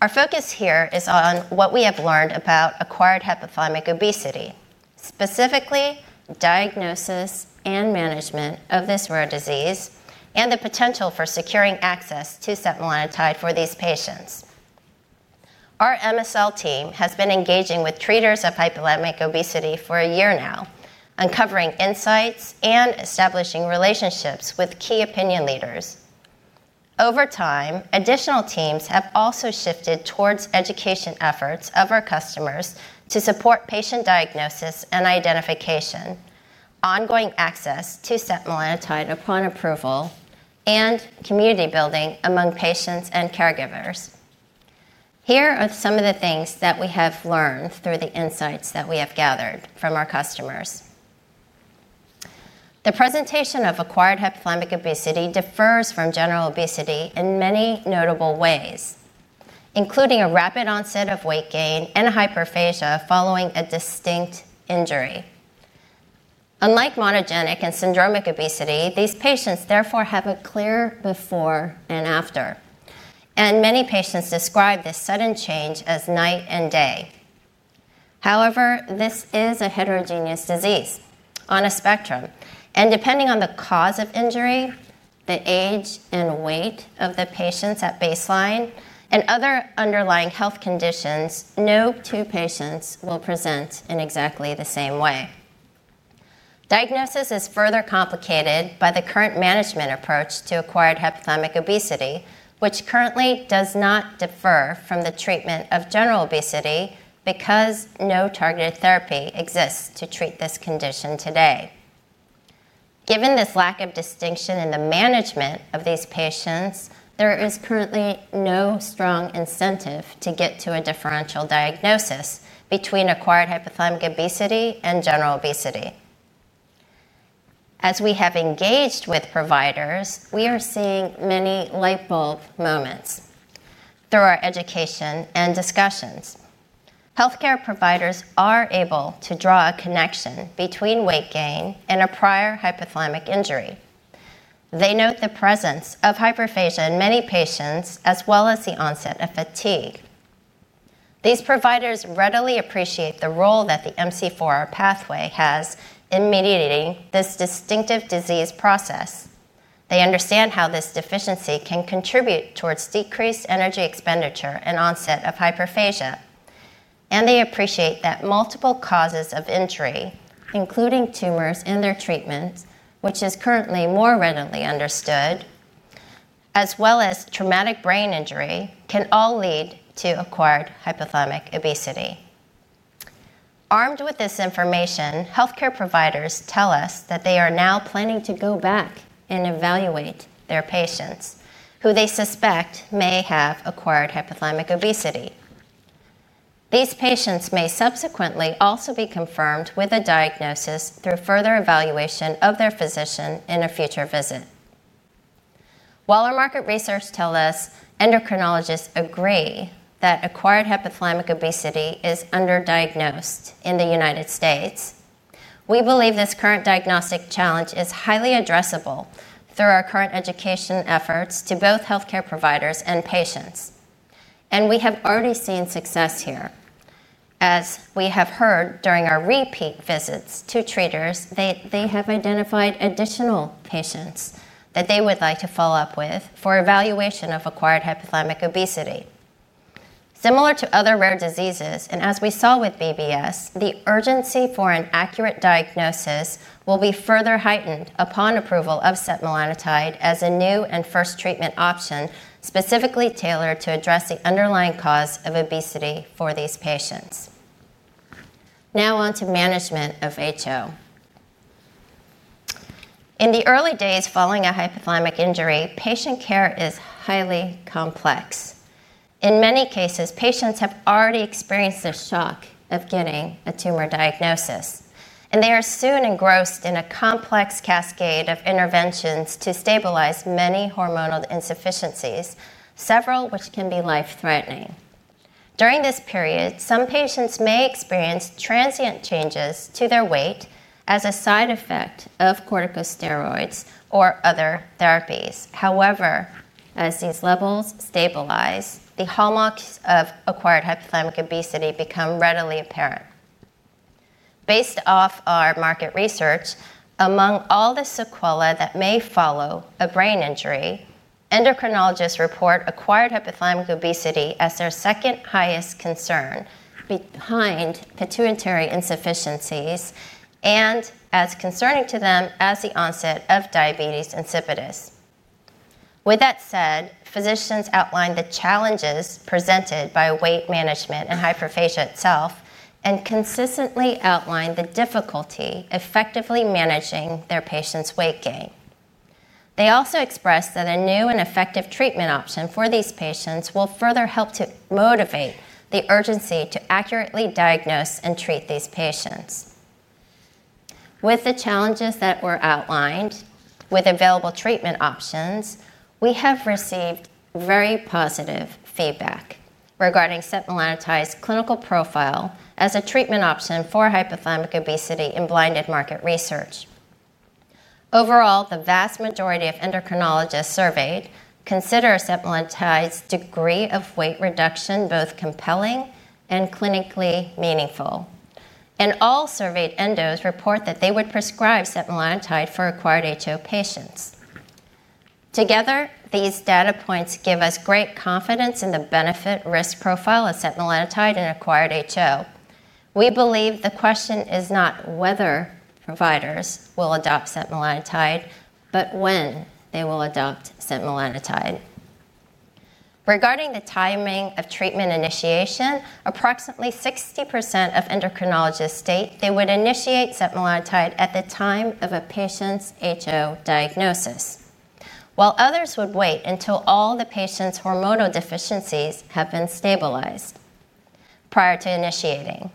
Our focus here is on what we have learned about acquired hypothalamic obesity, specifically diagnosis and management of this rare disease and the potential for securing access to setmelanotide for these patients. Our MSL team has been engaging with treaters of hypothalamic obesity for a year now, uncovering insights and establishing relationships with key opinion leaders. Over time, additional teams have also shifted towards education efforts of our customers to support patient diagnosis and identification, ongoing access to setmelanotide upon approval, and community building among patients and caregivers. Here are some of the things that we have learned through the insights that we have gathered from our customers. The presentation of acquired hypothalamic obesity differs from general obesity in many notable ways, including a rapid onset of weight gain and hyperphagia following a distinct injury. Unlike monogenic and syndromic obesity, these patients therefore have a clear before and after, and many patients describe this sudden change as night and day. However, this is a heterogeneous disease on a spectrum, and depending on the cause of injury, the age and weight of the patients at baseline, and other underlying health conditions, no two patients will present in exactly the same way. Diagnosis is further complicated by the current management approach to acquired hypothalamic obesity, which currently does not differ from the treatment of general obesity because no targeted therapy exists to treat this condition today. Given this lack of distinction in the management of these patients, there is currently no strong incentive to get to a differential diagnosis between acquired hypothalamic obesity and general obesity. As we have engaged with providers, we are seeing many lightbulb moments through our education and discussions. Healthcare providers are able to draw a connection between weight gain and a prior hypothalamic injury. They note the presence of hyperphagia in many patients, as well as the onset of fatigue. These providers readily appreciate the role that the MC4R pathway has in mediating this distinctive disease process. They understand how this deficiency can contribute towards decreased energy expenditure and onset of hyperphagia. They appreciate that multiple causes of injury, including tumors and their treatments, which is currently more readily understood, as well as traumatic brain injury, can all lead to acquired hypothalamic obesity. Armed with this information, healthcare providers tell us that they are now planning to go back and evaluate their patients who they suspect may have acquired hypothalamic obesity. These patients may subsequently also be confirmed with a diagnosis through further evaluation of their physician in a future visit. While our market research tells us endocrinologists agree that acquired hypothalamic obesity is underdiagnosed in the U.S., we believe this current diagnostic challenge is highly addressable through our current education efforts to both healthcare providers and patients. We have already seen success here. As we have heard during our repeat visits to treaters, they have identified additional patients that they would like to follow up with for evaluation of acquired hypothalamic obesity. Similar to other rare diseases, and as we saw with BBS, the urgency for an accurate diagnosis will be further heightened upon approval of setmelanotide as a new and first treatment option specifically tailored to address the underlying cause of obesity for these patients. Now on to management of HO. In the early days following a hypothalamic injury, patient care is highly complex. In many cases, patients have already experienced the shock of getting a tumor diagnosis. They are soon engrossed in a complex cascade of interventions to stabilize many hormonal insufficiencies, several of which can be life-threatening. During this period, some patients may experience transient changes to their weight as a side effect of corticosteroids or other therapies. However, as these levels stabilize, the hallmarks of acquired hypothalamic obesity become readily apparent. Based off our market research, among all the sequelae that may follow a brain injury, endocrinologists report acquired hypothalamic obesity as their second highest concern behind pituitary insufficiencies and as concerning to them as the onset of diabetes insipidus. Physicians outline the challenges presented by weight management and hyperphagia itself and consistently outline the difficulty effectively managing their patients' weight gain. They also express that a new and effective treatment option for these patients will further help to motivate the urgency to accurately diagnose and treat these patients. With the challenges that were outlined, with available treatment options, we have received very positive feedback regarding setmelanotide's clinical profile as a treatment option for hypothalamic obesity in blinded market research. Overall, the vast majority of endocrinologists surveyed consider setmelanotide's degree of weight reduction both compelling and clinically meaningful. All surveyed endocrinologists report that they would prescribe setmelanotide for acquired HO patients. Together, these data points give us great confidence in the benefit-risk profile of setmelanotide in acquired HO. We believe the question is not whether providers will adopt setmelanotide, but when they will adopt setmelanotide. Regarding the timing of treatment initiation, approximately 60% of endocrinologists state they would initiate setmelanotide at the time of a patient's HO diagnosis, while others would wait until all the patients' hormonal deficiencies have been stabilized prior to initiating.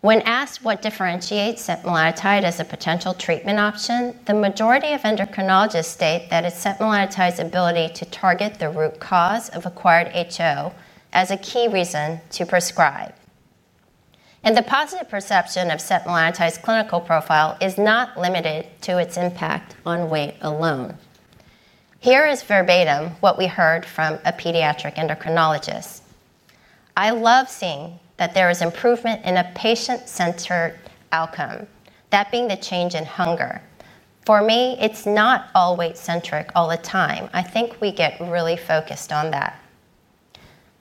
When asked what differentiates setmelanotide as a potential treatment option, the majority of endocrinologists state that it's setmelanotide's ability to target the root cause of acquired HO as a key reason to prescribe. The positive perception of setmelanotide's clinical profile is not limited to its impact on weight alone. Here is verbatim what we heard from a pediatric endocrinologist: I love seeing that there is improvement in a patient-centered outcome, that being the change in hunger. For me, it's not all weight-centric all the time. I think we get really focused on that.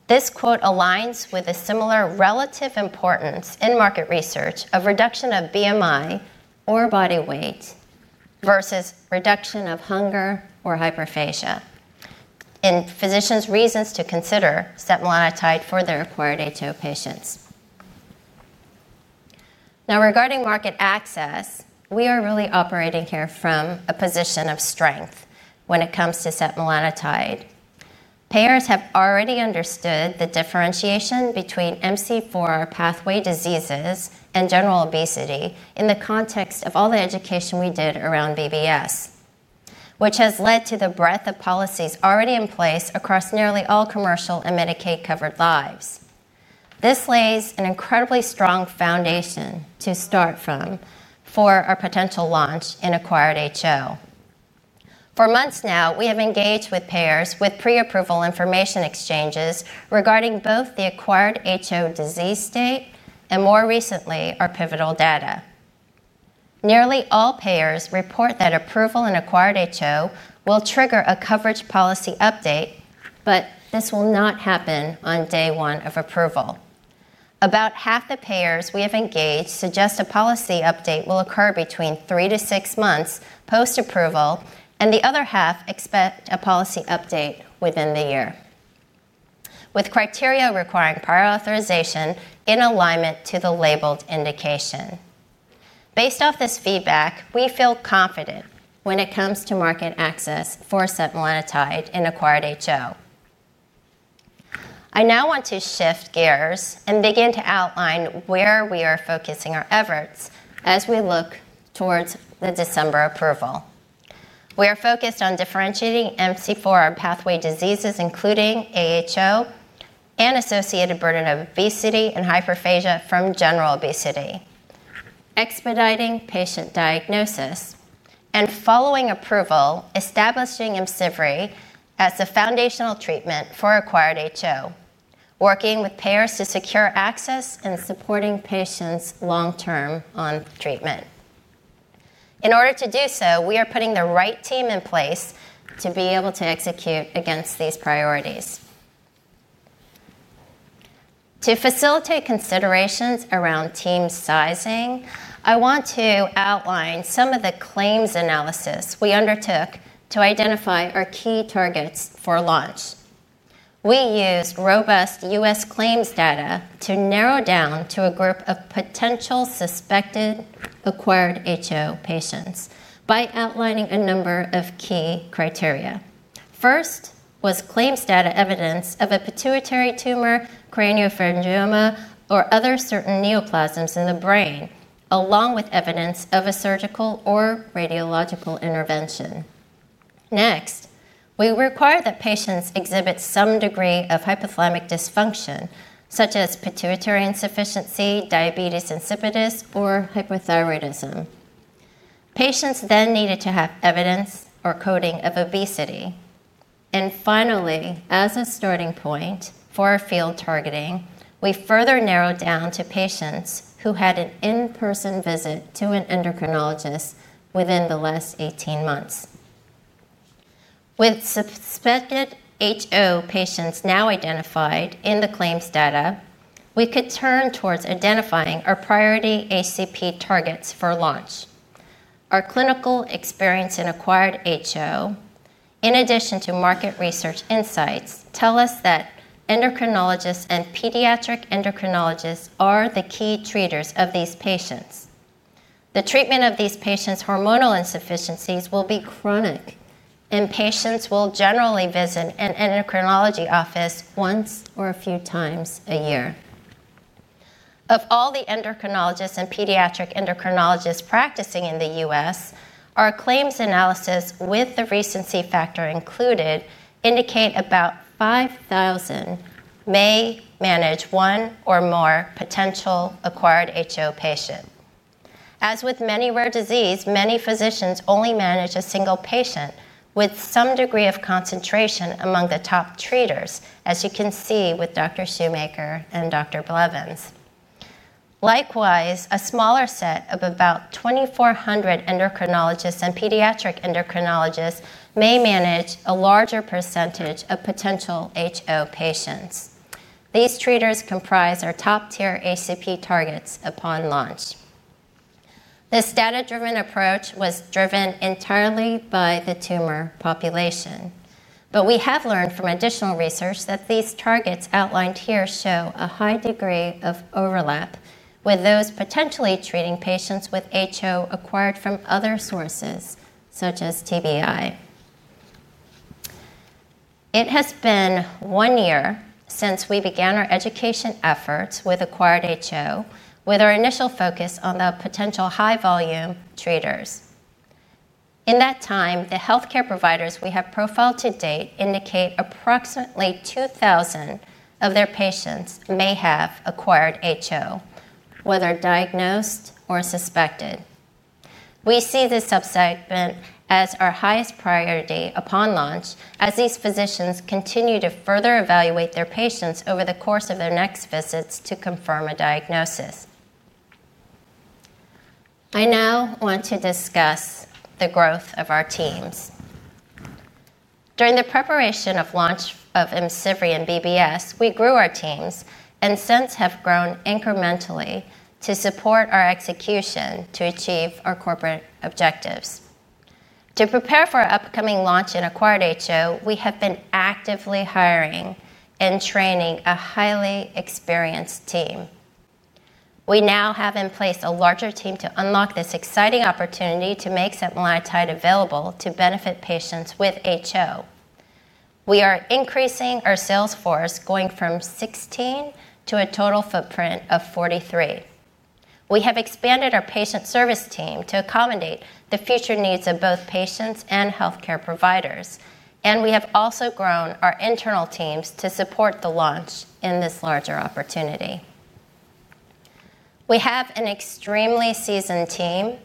This quote aligns with a similar relative importance in market research of reduction of BMI or body weight versus reduction of hunger or hyperphagia in physicians' reasons to consider setmelanotide for their acquired HO patients. Now, regarding market access, we are really operating here from a position of strength when it comes to setmelanotide. Payers have already understood the differentiation between MC4R pathway diseases and general obesity in the context of all the education we did around BBS, which has led to the breadth of policies already in place across nearly all commercial and Medicaid-covered lives. This lays an incredibly strong foundation to start from for our potential launch in acquired HO. For months now, we have engaged with payers with pre-approval information exchanges regarding both the acquired HO disease state and more recently, our pivotal data. Nearly all payers report that approval in acquired HO will trigger a coverage policy update, but this will not happen on day one of approval. About half the payers we have engaged suggest a policy update will occur between three to six months post-approval, and the other half expect a policy update within the year, with criteria requiring prior authorization in alignment to the labeled indication. Based off this feedback, we feel confident when it comes to market access for setmelanotide in acquired HO. I now want to shift gears and begin to outline where we are focusing our efforts as we look towards the December approval. We are focused on differentiating MC4R pathway diseases, including acquired HO and associated burden of obesity and hyperphagia from general obesity, expediting patient diagnosis, and following approval, establishing IMCIVREE as the foundational treatment for acquired HO, working with payers to secure access and supporting patients long-term on treatment. In order to do so, we are putting the right team in place to be able to execute against these priorities. To facilitate considerations around team sizing, I want to outline some of the claims analysis we undertook to identify our key targets for launch. We used robust U.S. claims data to narrow down to a group of potential suspected acquired HO patients by outlining a number of key criteria. First was claims data evidence of a pituitary tumor, craniopharyngioma, or other certain neoplasms in the brain, along with evidence of a surgical or radiological intervention. Next, we require that patients exhibit some degree of hypothalamic dysfunction, such as pituitary insufficiency, diabetes insipidus, or hypothyroidism. Patients then needed to have evidence or coding of obesity. Finally, as a starting point for our field targeting, we further narrowed down to patients who had an in-person visit to an endocrinologist within the last 18 months. With suspected HO patients now identified in the claims data, we could turn towards identifying our priority ACP targets for launch. Our clinical experience in acquired HO, in addition to market research insights, tells us that endocrinologists and pediatric endocrinologists are the key treaters of these patients. The treatment of these patients' hormonal insufficiencies will be chronic, and patients will generally visit an endocrinology office once or a few times a year. Of all the endocrinologists and pediatric endocrinologists practicing in the U.S., our claims analysis with the recency factor included indicates about 5,000 may manage one or more potential acquired HO patients. As with many rare diseases, many physicians only manage a single patient with some degree of concentration among the top treaters, as you can see with Dr. Shoemaker and Dr. Blevins. Likewise, a smaller set of about 2,400 endocrinologists and pediatric endocrinologists may manage a larger percentage of potential HO patients. These treaters comprise our top-tier ACP targets upon launch. This data-driven approach was driven entirely by the tumor population. We have learned from additional research that these targets outlined here show a high degree of overlap with those potentially treating patients with HO acquired from other sources, such as TBI. It has been one year since we began our education efforts with acquired HO, with our initial focus on the potential high-volume treaters. In that time, the healthcare providers we have profiled to date indicate approximately 2,000 of their patients may have acquired HO, whether diagnosed or suspected. We see this subsegment as our highest priority upon launch, as these physicians continue to further evaluate their patients over the course of their next visits to confirm a diagnosis. I now want to discuss the growth of our teams. During the preparation of launch of IMCIVREE and BBS, we grew our teams and since have grown incrementally to support our execution to achieve our corporate objectives. To prepare for our upcoming launch in acquired HO, we have been actively hiring and training a highly experienced team. We now have in place a larger team to unlock this exciting opportunity to make setmelanotide available to benefit patients with HO. We are increasing our sales force, going from 16 to a total footprint of 43. We have expanded our patient service team to accommodate the future needs of both patients and healthcare providers. We have also grown our internal teams to support the launch in this larger opportunity. We have an extremely seasoned team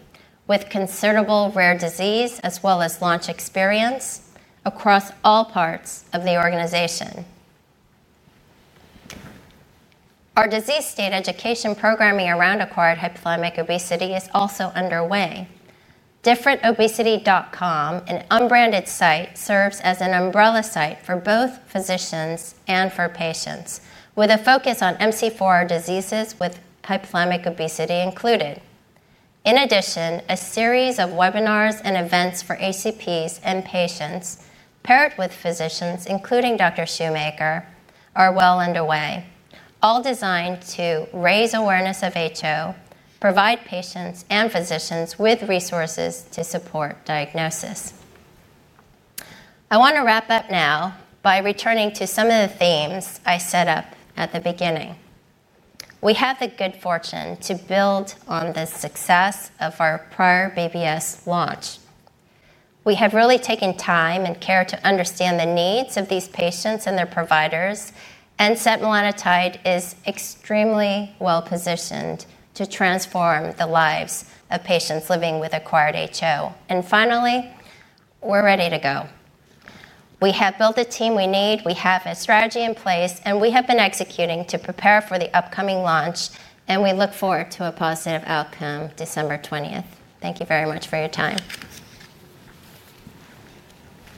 with considerable rare disease, as well as launch experience across all parts of the organization. Our disease state education programming around acquired hypothalamic obesity is also underway. Differentobesity.com, an unbranded site, serves as an umbrella site for both physicians and for patients, with a focus on MC4R diseases with hypothalamic obesity included. In addition, a series of webinars and events for ACPs and patients paired with physicians, including Dr. Shoemaker, are well underway, all designed to raise awareness of HO and provide patients and physicians with resources to support diagnosis. I want to wrap up now by returning to some of the themes I set up at the beginning. We have the good fortune to build on the success of our prior BBS launch. We have really taken time and care to understand the needs of these patients and their providers, and setmelanotide is extremely well positioned to transform the lives of patients living with acquired HO. Finally, we're ready to go. We have built the team we need. We have a strategy in place, and we have been executing to prepare for the upcoming launch. We look forward to a positive outcome December 20th. Thank you very much for your time.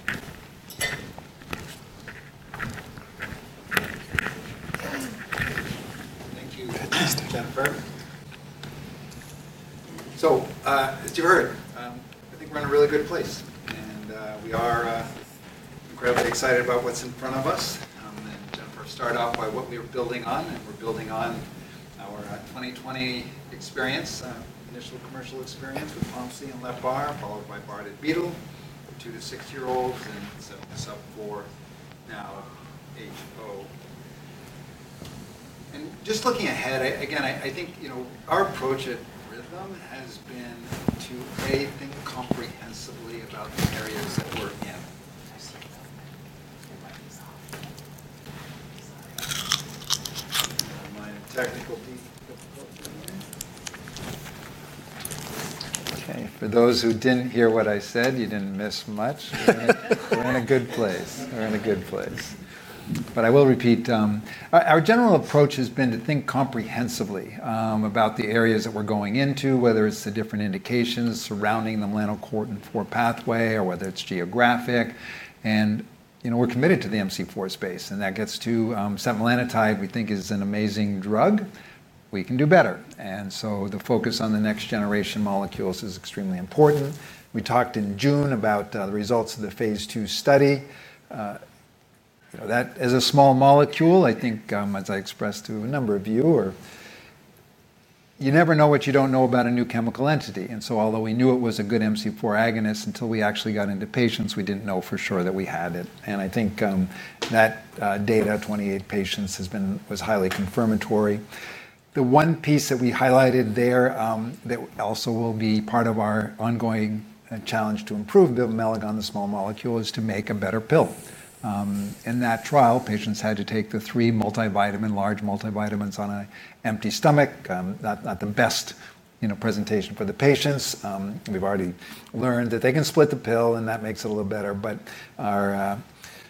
Thank you, Jennifer. As you heard, I think we're in a really good place, and we are incredibly excited about what's in front of us. Jennifer started out by what we were building on, and we're building on our 2020 experience, initial commercial experience with POMC and LEPR, followed by Bardet-Biedl with two to six-year-olds, and this set us up for now, HO. Just looking ahead, again, I think our approach at Rhythm has been to think comprehensively. Okay, for those who didn't hear what I said, you didn't miss much. We're in a good place. We're in a good place. I will repeat, our general approach has been to think comprehensively about the areas that we're going into, whether it's the different indications surrounding the melanocortin-4 pathway or whether it's geographic. You know, we're committed to the MC4R space, and that gets to setmelanotide. We think it's an amazing drug. We can do better. The focus on the next generation molecules is extremely important. We talked in June about the results of the phase II study. That is a small molecule. I think, as I expressed to a number of you, you never know what you don't know about a new chemical entity. Although we knew it was a good MC4R agonist, until we actually got into patients, we didn't know for sure that we had it. I think that data, 28 patients, has been highly confirmatory. The one piece that we highlighted there that also will be part of our ongoing challenge to improve the bivamelagon in the small molecule is to make a better pill. In that trial, patients had to take the three large multivitamins on an empty stomach. Not the best presentation for the patients. We've already learned that they can split the pill, and that makes it a little better. Our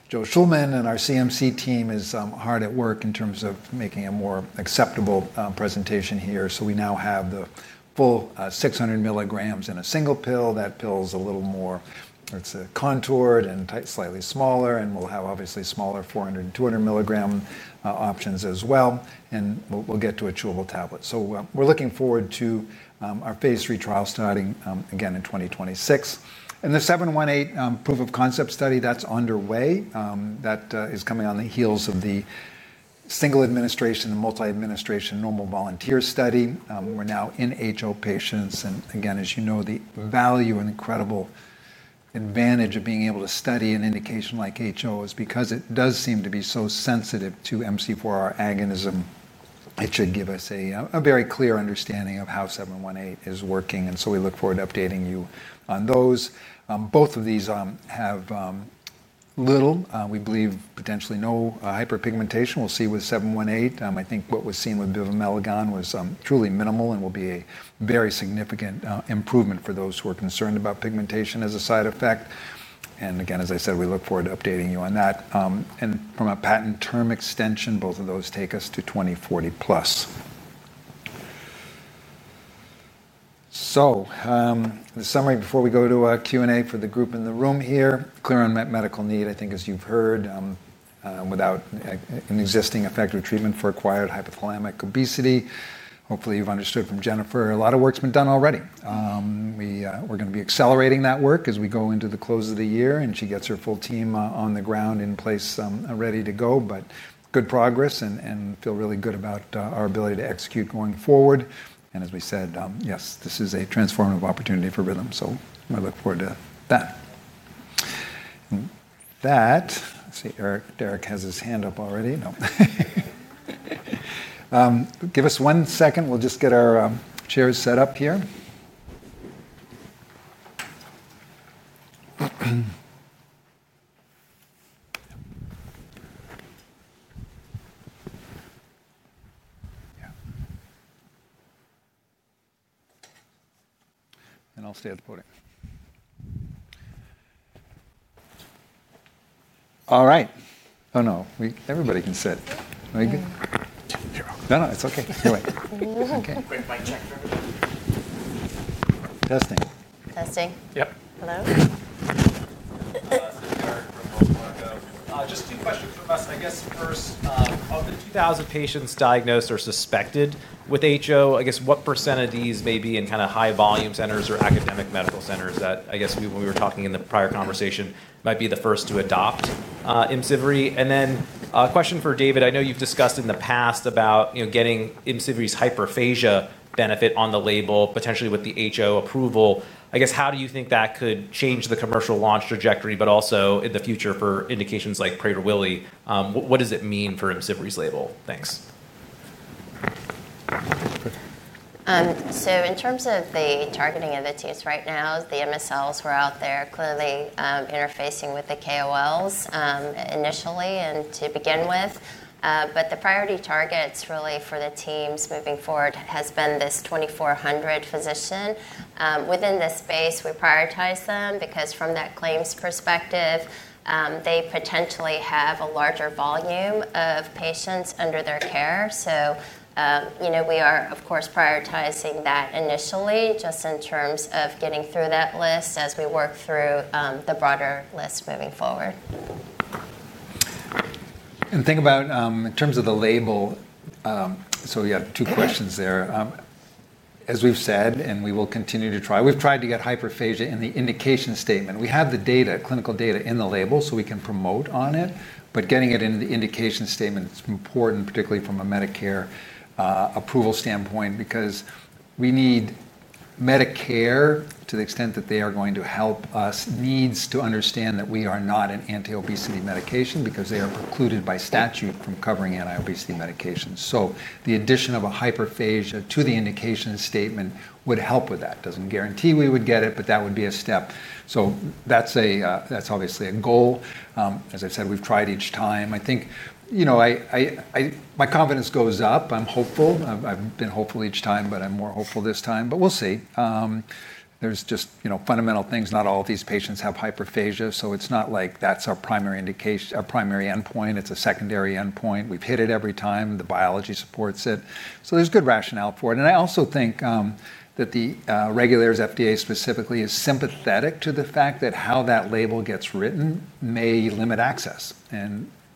Joe Shulman and our CMC team are hard at work in terms of making a more acceptable presentation here. We now have the full 600 mg in a single pill. That pill is a little more contoured and slightly smaller, and we'll have obviously smaller 400 mg and 200 mg options as well. We'll get to a chewable tablet. We're looking forward to our phase III trial starting again in 2026. The 718 proof of concept study that's underway, that is coming on the heels of the single administration and multi-administration normal volunteer study. We're now in acquired hypothalamic obesity patients. As you know, the value and incredible advantage of being able to study an indication like acquired hypothalamic obesity is because it does seem to be so sensitive to MC4R agonism. It should give us a very clear understanding of how 718 is working. We look forward to updating you on those. Both of these have little, we believe, potentially no hyperpigmentation. We'll see with 718. I think what was seen with bivamelagon was truly minimal and will be a very significant improvement for those who are concerned about pigmentation as a side effect. As I said, we look forward to updating you on that. From a patent term extension, both of those take us to 2040+. The summary before we go to a Q&A for the group in the room here is clear on medical need. I think, as you've heard, without an existing effective treatment for acquired hypothalamic obesity, hopefully you've understood from Jennifer, a lot of work's been done already. We're going to be accelerating that work as we go into the close of the year, and she gets her full team on the ground in place ready to go. Good progress and feel really good about our ability to execute going forward. As we said, yes, this is a transformative opportunity for Rhythm. We look forward to that. Let's see, Derek has his hand up already. Give us one second. We'll just get our chairs set up here. I'll stay at the podium. All right. Everybody can sit. Are you good? No, it's okay. Anyway. Testing. Testing. Yep. Hello? Just two questions from us. I guess first, of the 2,000 patients diagnosed or suspected with HO, what percentage of these may be in kind of high-volume centers or academic medical centers that we were talking in the prior conversation might be the first to adopt IMCIVREE? Then a question for David. I know you've discussed in the past about getting IMCIVREEs hyperphagia benefit on the label, potentially with the HO approval. How do you think that could change the commercial launch trajectory, but also in the future for indications like Prader-Willi? What does it mean for IMCIVREE's label? Thanks. In terms of the targeting of the teams right now, the MSLs were out there clearly interfacing with the KOLs initially and to begin with. The priority targets really for the teams moving forward have been this 2,400 physicians. Within this space, we prioritize them because from that claims perspective, they potentially have a larger volume of patients under their care. We are, of course, prioritizing that initially just in terms of getting through that list as we work through the broader list moving forward. Think about in terms of the label. We have two questions there. As we've said, and we will continue to try, we've tried to get hyperphagia in the indication statement. We have the data, clinical data in the label, so we can promote on it. Getting it in the indication statement is important, particularly from a Medicare approval standpoint, because we need Medicare, to the extent that they are going to help us, needs to understand that we are not an anti-obesity medication because they are precluded by statute from covering anti-obesity medications. The addition of hyperphagia to the indication statement would help with that. It doesn't guarantee we would get it, but that would be a step. That's obviously a goal. As I said, we've tried each time. I think my confidence goes up. I'm hopeful. I've been hopeful each time, but I'm more hopeful this time. We'll see. There are just fundamental things. Not all of these patients have hyperphagia. It's not like that's our primary indication, our primary endpoint. It's a secondary endpoint. We've hit it every time. The biology supports it. There's good rationale for it. I also think that the regulators, FDA specifically, is sympathetic to the fact that how that label gets written may limit access.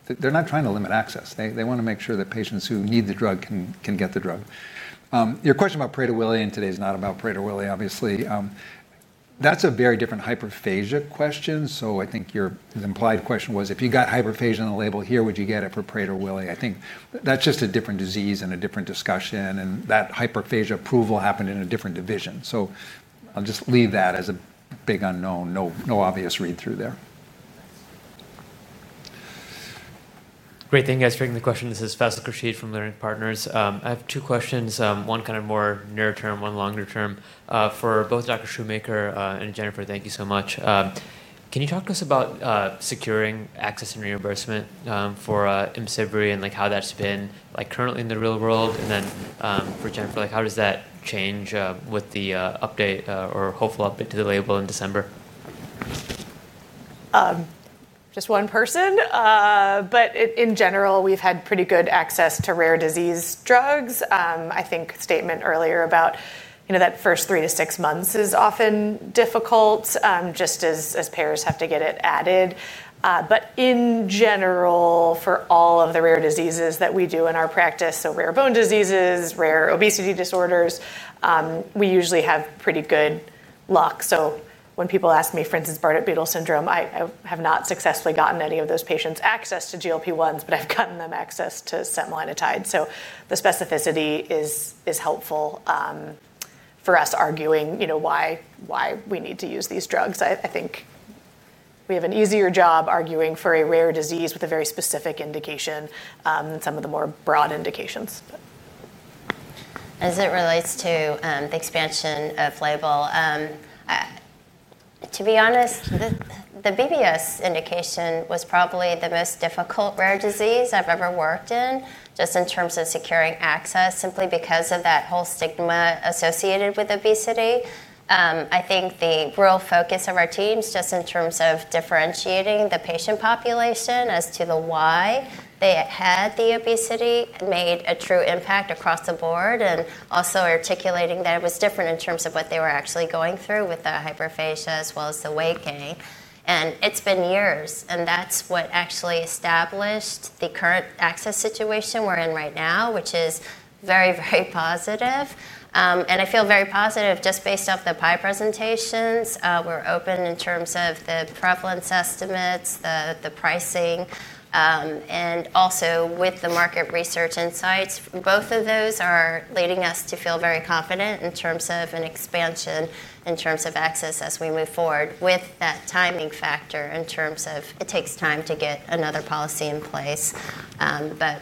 They're not trying to limit access. They want to make sure that patients who need the drug can get the drug. Your question about Prader-Willi in today's not about Prader-Willi, obviously. That's a very different hyperphagia question. I think your implied question was, if you got hyperphagia on the label here, would you get it for Prader-Willi? I think that's just a different disease and a different discussion. That hyperphagia approval happened in a different division. I'll just leave that as a big unknown. No obvious read-through there. Great, thanks for taking the question. This is Faisal Khurshid from Leerink Partners. I have two questions, one kind of more near-term, one longer term. For both Dr. Shoemaker and Jennifer, thank you so much. Can you talk to us about securing access and reimbursement for IMCIVREE and how that's been like currently in the real world? For Jennifer, how does that change with the update or hopeful update to the label in December? Just one person. In general, we've had pretty good access to rare disease drugs. I think the statement earlier about that first three to six months is often difficult, just as payers have to get it added. In general, for all of the rare diseases that we do in our practice, so rare bone diseases, rare obesity disorders, we usually have pretty good luck. When people ask me, for instance, Bardet-Biedl syndrome, I have not successfully gotten any of those patients access to GLP-1s, but I've gotten them access to setmelanotide. The specificity is helpful for us arguing, you know, why we need to use these drugs. I think we have an easier job arguing for a rare disease with a very specific indication than some of the more broad indications. As it relates to the expansion of label, to be honest, the BBS indication was probably the most difficult rare disease I've ever worked in, just in terms of securing access, simply because of that whole stigma associated with obesity. I think the real focus of our teams, just in terms of differentiating the patient population as to the why they had the obesity, made a true impact across the board, and also articulating that it was different in terms of what they were actually going through with the hyperphagia, as well as the weight gain. It's been years, and that's what actually established the current access situation we're in right now, which is very, very positive. I feel very positive just based off the pie presentations. We're open in terms of the prevalence estimates, the pricing, and also with the market research insights. Both of those are leading us to feel very confident in terms of an expansion, in terms of access as we move forward with that timing factor in terms of it takes time to get another policy in place.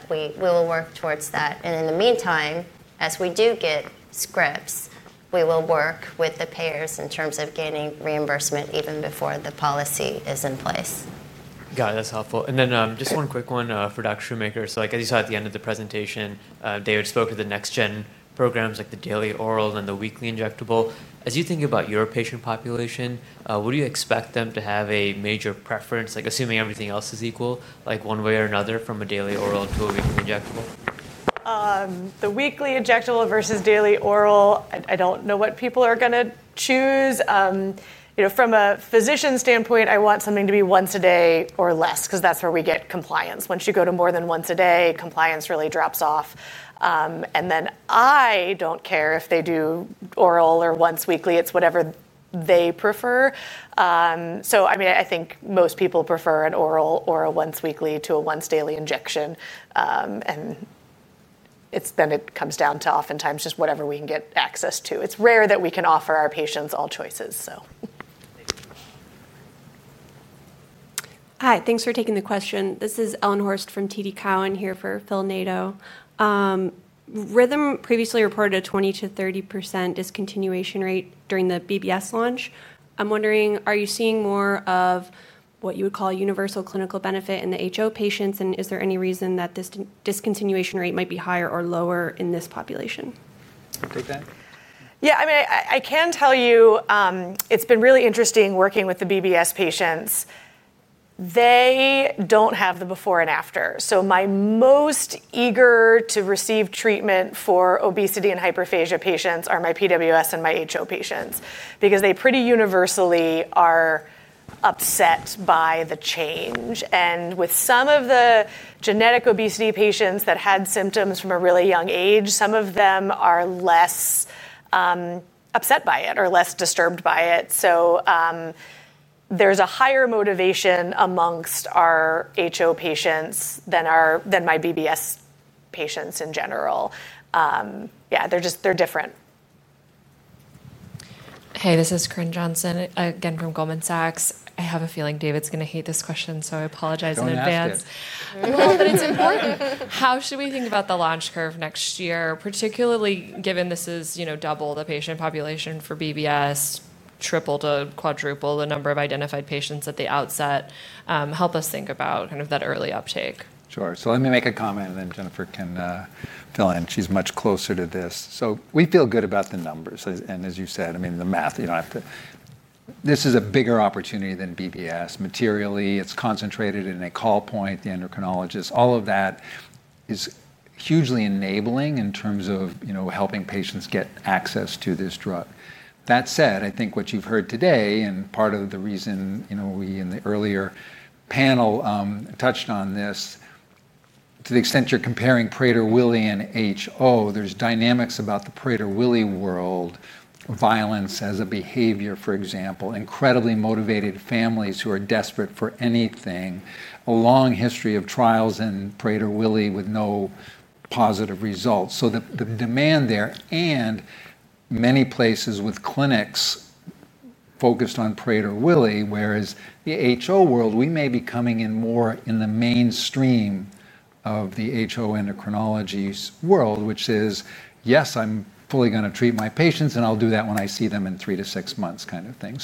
We will work towards that. In the meantime, as we do get scripts, we will work with the payers in terms of gaining reimbursement even before the policy is in place. Got it. That's helpful. Just one quick one for Dr. Shoemaker. Like I saw at the end of the presentation, David spoke to the next-gen programs, like the daily oral and the weekly injectable. As you think about your patient population, would you expect them to have a major preference, assuming everything else is equal, one way or another, from a daily oral to a weekly injectable? The weekly injectable versus daily oral, I don't know what people are going to choose. From a physician standpoint, I want something to be once a day or less, because that's where we get compliance. Once you go to more than once a day, compliance really drops off. I don't care if they do oral or once weekly. It's whatever they prefer. I think most people prefer an oral or a once weekly to a once daily injection. It comes down to oftentimes just whatever we can get access to. It's rare that we can offer our patients all choices. Hi, thanks for taking the question. This is Ellen Horste from TD Cowen here for Phil Nadeau. Rhythm previously reported a 20%-30% discontinuation rate during the BBS launch. I'm wondering, are you seeing more of what you would call universal clinical benefit in the HO patients? Is there any reason that this discontinuation rate might be higher or lower in this population? Yeah, I mean, I can tell you it's been really interesting working with the BBS patients. They don't have the before and after. My most eager to receive treatment for obesity and hyperphagia patients are my PWS and my HO patients, because they pretty universally are upset by the change. With some of the genetic obesity patients that had symptoms from a really young age, some of them are less upset by it or less disturbed by it. There's a higher motivation amongst our HO patients than my BBS patients in general. They're just, they're different. Hey, this is Corinne Johnson, again from Goldman Sachs. I have a feeling David's going to hate this question, so I apologize in advance. No, thank you. I'm glad that it's important. How should we think about the launch curve next year, particularly given this is double the patient population for BBS, triple to quadruple the number of identified patients at the outset? Help us think about kind of that early uptake. Sure. Let me make a comment, and then Jennifer can fill in. She's much closer to this. We feel good about the numbers. As you said, the math, you don't have to, this is a bigger opportunity than BBS. Materially, it's concentrated in a call point, the endocrinologist. All of that is hugely enabling in terms of helping patients get access to this drug. That said, I think what you've heard today, and part of the reason we in the earlier panel touched on this, to the extent you're comparing Prader-Willi and HO, there are dynamics about the Prader-Willi world, violence as a behavior, for example, incredibly motivated families who are desperate for anything, a long history of trials in Prader-Willi with no positive results. The demand there, and many places with clinics focused on Prader-Willi, whereas the HO world, we may be coming in more in the mainstream of the HO endocrinology world, which is, yes, I'm fully going to treat my patients, and I'll do that when I see them in three to six months kind of thing.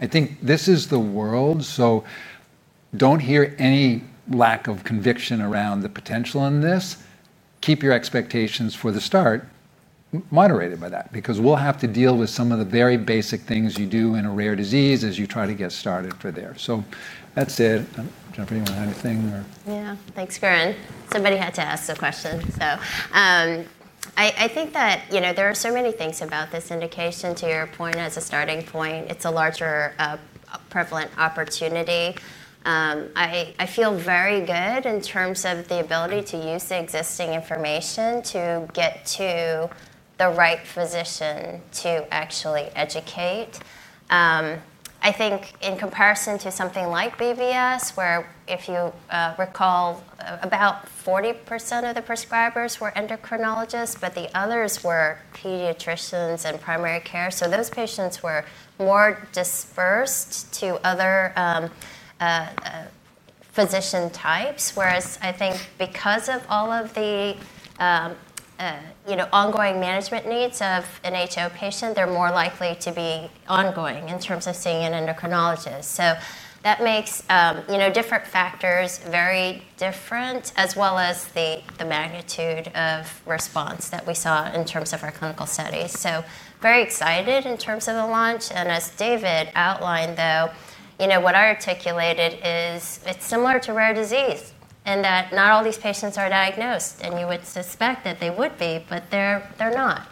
I think this is the world. Don't hear any lack of conviction around the potential in this. Keep your expectations for the start moderated by that, because we'll have to deal with some of the very basic things you do in a rare disease as you try to get started for there. That's it. Jennifer, you want to add anything? Yeah, thanks, Corinne. Somebody had to ask the question. I think that there are so many things about this indication. To your point, as a starting point, it's a larger prevalent opportunity. I feel very good in terms of the ability to use the existing information to get to the right physician to actually educate. I think in comparison to something like BBS, where if you recall, about 40% of the prescribers were endocrinologists, but the others were pediatricians and primary care. Those patients were more dispersed to other physician types, whereas I think because of all of the ongoing management needs of an acquired hypothalamic obesity patient, they're more likely to be ongoing in terms of seeing an endocrinologist. That makes different factors very different, as well as the magnitude of response that we saw in terms of our clinical studies. I am very excited in terms of the launch. As David outlined, what I articulated is it's similar to rare disease in that not all these patients are diagnosed, and you would suspect that they would be, but they're not.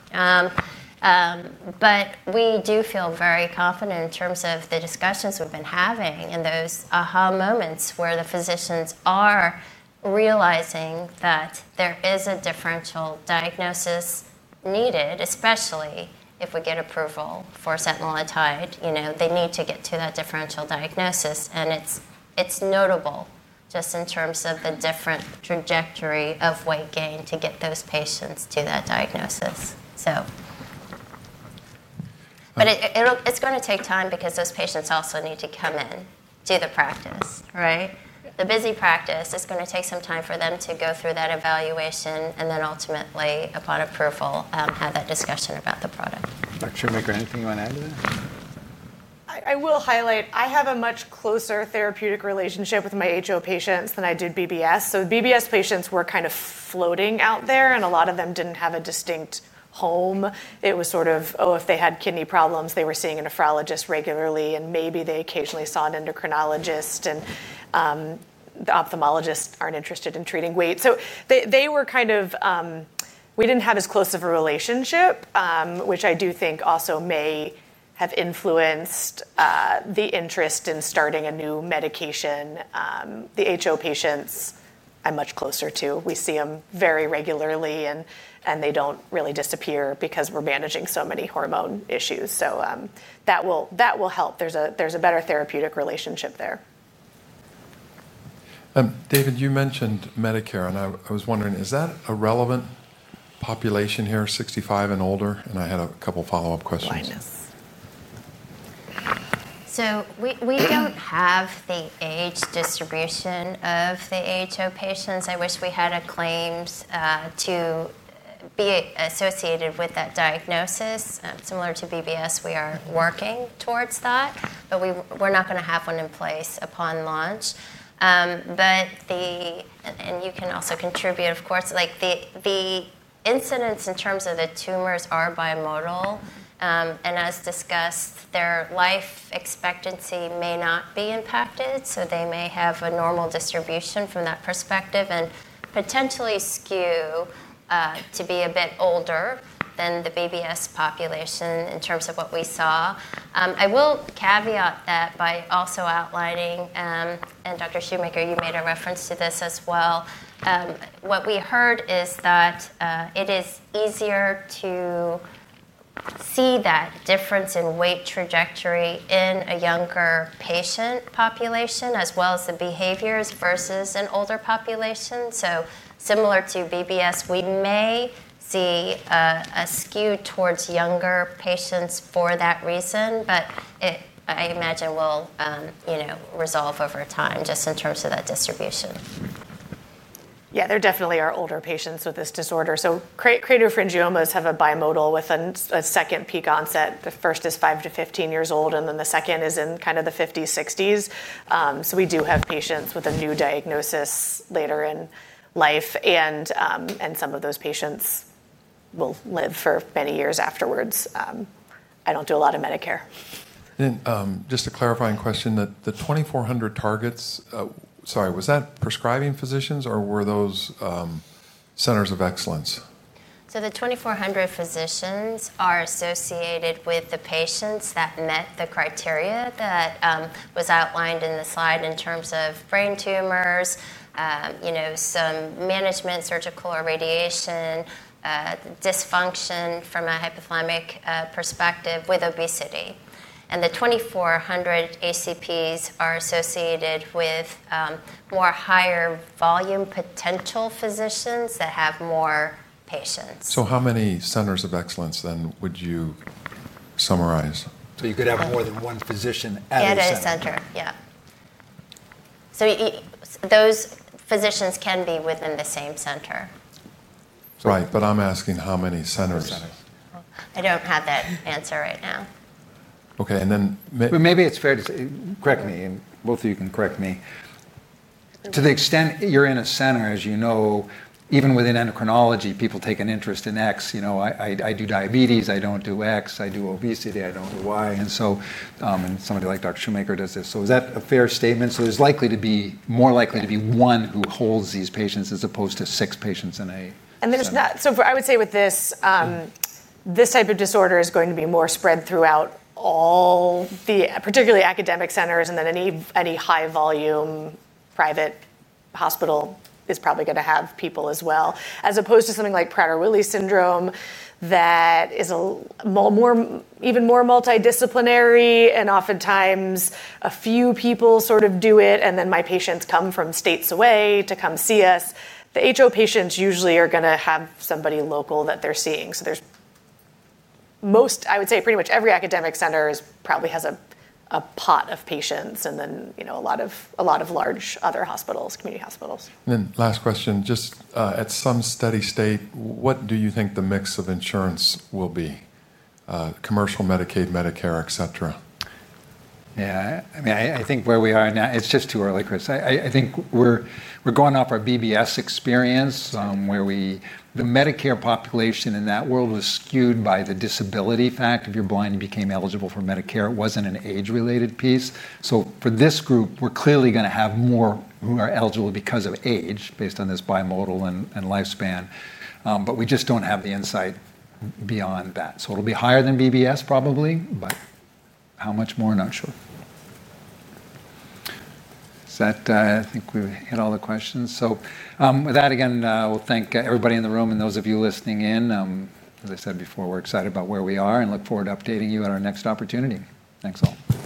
We do feel very confident in terms of the discussions we've been having and those aha moments where the physicians are realizing that there is a differential diagnosis needed, especially if we get approval for setmelanotide. They need to get to that differential diagnosis. It's notable just in terms of the different trajectory of weight gain to get those patients to that diagnosis. It's going to take time because those patients also need to come in, do the practice, right? The busy practice. It's going to take some time for them to go through that evaluation and then ultimately, upon approval, have that discussion about the product. Dr. Shoemaker, anything you want to add to that? I will highlight I have a much closer therapeutic relationship with my HO patients than I did BBS. BBS patients were kind of floating out there, and a lot of them didn't have a distinct home. It was sort of, oh, if they had kidney problems, they were seeing a nephrologist regularly, and maybe they occasionally saw an endocrinologist, and the ophthalmologists aren't interested in treating weight. They were kind of, we didn't have as close of a relationship, which I do think also may have influenced the interest in starting a new medication. The HO patients I'm much closer to. We see them very regularly, and they don't really disappear because we're managing so many hormone issues. That will help. There's a better therapeutic relationship there. David, you mentioned Medicare, and I was wondering, is that a relevant population here, 65 and older? I had a couple of follow-up questions. We don't have the age distribution of the HO patients. I wish we had a claim to be associated with that diagnosis. Similar to BBS, we are working towards that, but we're not going to have one in place upon launch. You can also contribute, of course. The incidence in terms of the tumors are bimodal, and as discussed, their life expectancy may not be impacted. They may have a normal distribution from that perspective and potentially skew to be a bit older than the BBS population in terms of what we saw. I will caveat that by also outlining, and Dr. Shoemaker, you made a reference to this as well, what we heard is that it is easier to see that difference in weight trajectory in a younger patient population, as well as the behaviors versus an older population. Similar to BBS, we may see a skew towards younger patients for that reason, but I imagine we'll resolve over time just in terms of that distribution. Yeah, there definitely are older patients with this disorder. Craniopharyngiomas have a bimodal with a second peak onset. The first is 5-15 years old, and the second is in kind of the 50s, 60s. We do have patients with a new diagnosis later in life, and some of those patients will live for many years afterwards. I don't do a lot of Medicare. Just a clarifying question, the 2,400 targets, sorry, was that prescribing physicians, or were those centers of excellence? The 2,400 physicians are associated with the patients that met the criteria that was outlined in the slide in terms of brain tumors, some management, surgical or radiation, dysfunction from a hypothalamic perspective with obesity. The 2,400 ACPs are associated with more higher volume potential physicians that have more patients. How many centers of excellence then would you summarize? You could have more than one physician at a center. At a center, yeah. Those physicians can be within the same center. Right, but I'm asking how many centers. Centers. I don't have that answer right now. Okay, then. Maybe it's fair to say, correct me, and both of you can correct me. To the extent you're in a center, as you know, even within endocrinology, people take an interest in X. You know, I do diabetes, I don't do X, I do obesity, I don't do Y. Somebody like Dr. Shoemaker does this. Is that a fair statement? There's likely to be more likely to be one who holds these patients as opposed to six patients in a. I would say with this, this type of disorder is going to be more spread throughout all the, particularly academic centers, and then any high volume private hospital is probably going to have people as well, as opposed to something like Prader-Willi syndrome that is a more, even more multidisciplinary, and oftentimes a few people sort of do it, and then my patients come from states away to come see us. The HO patients usually are going to have somebody local that they're seeing. I would say pretty much every academic center probably has a pot of patients, and then a lot of large other hospitals, community hospitals. At some steady state, what do you think the mix of insurance will be? Commercial, Medicaid, Medicare, et cetera. Yeah, I mean, I think where we are now, it's just too early, Kris. I think we're going off our BBS experience where the Medicare population in that world was skewed by the disability fact. If you're blind and became eligible for Medicare, it wasn't an age-related piece. For this group, we're clearly going to have more who are eligible because of age based on this bimodal and lifespan, but we just don't have the insight beyond that. It'll be higher than BBS probably, but how much more, not sure. I think we hit all the questions. With that, again, we'll thank everybody in the room and those of you listening in. As I said before, we're excited about where we are and look forward to updating you at our next opportunity. Thanks all.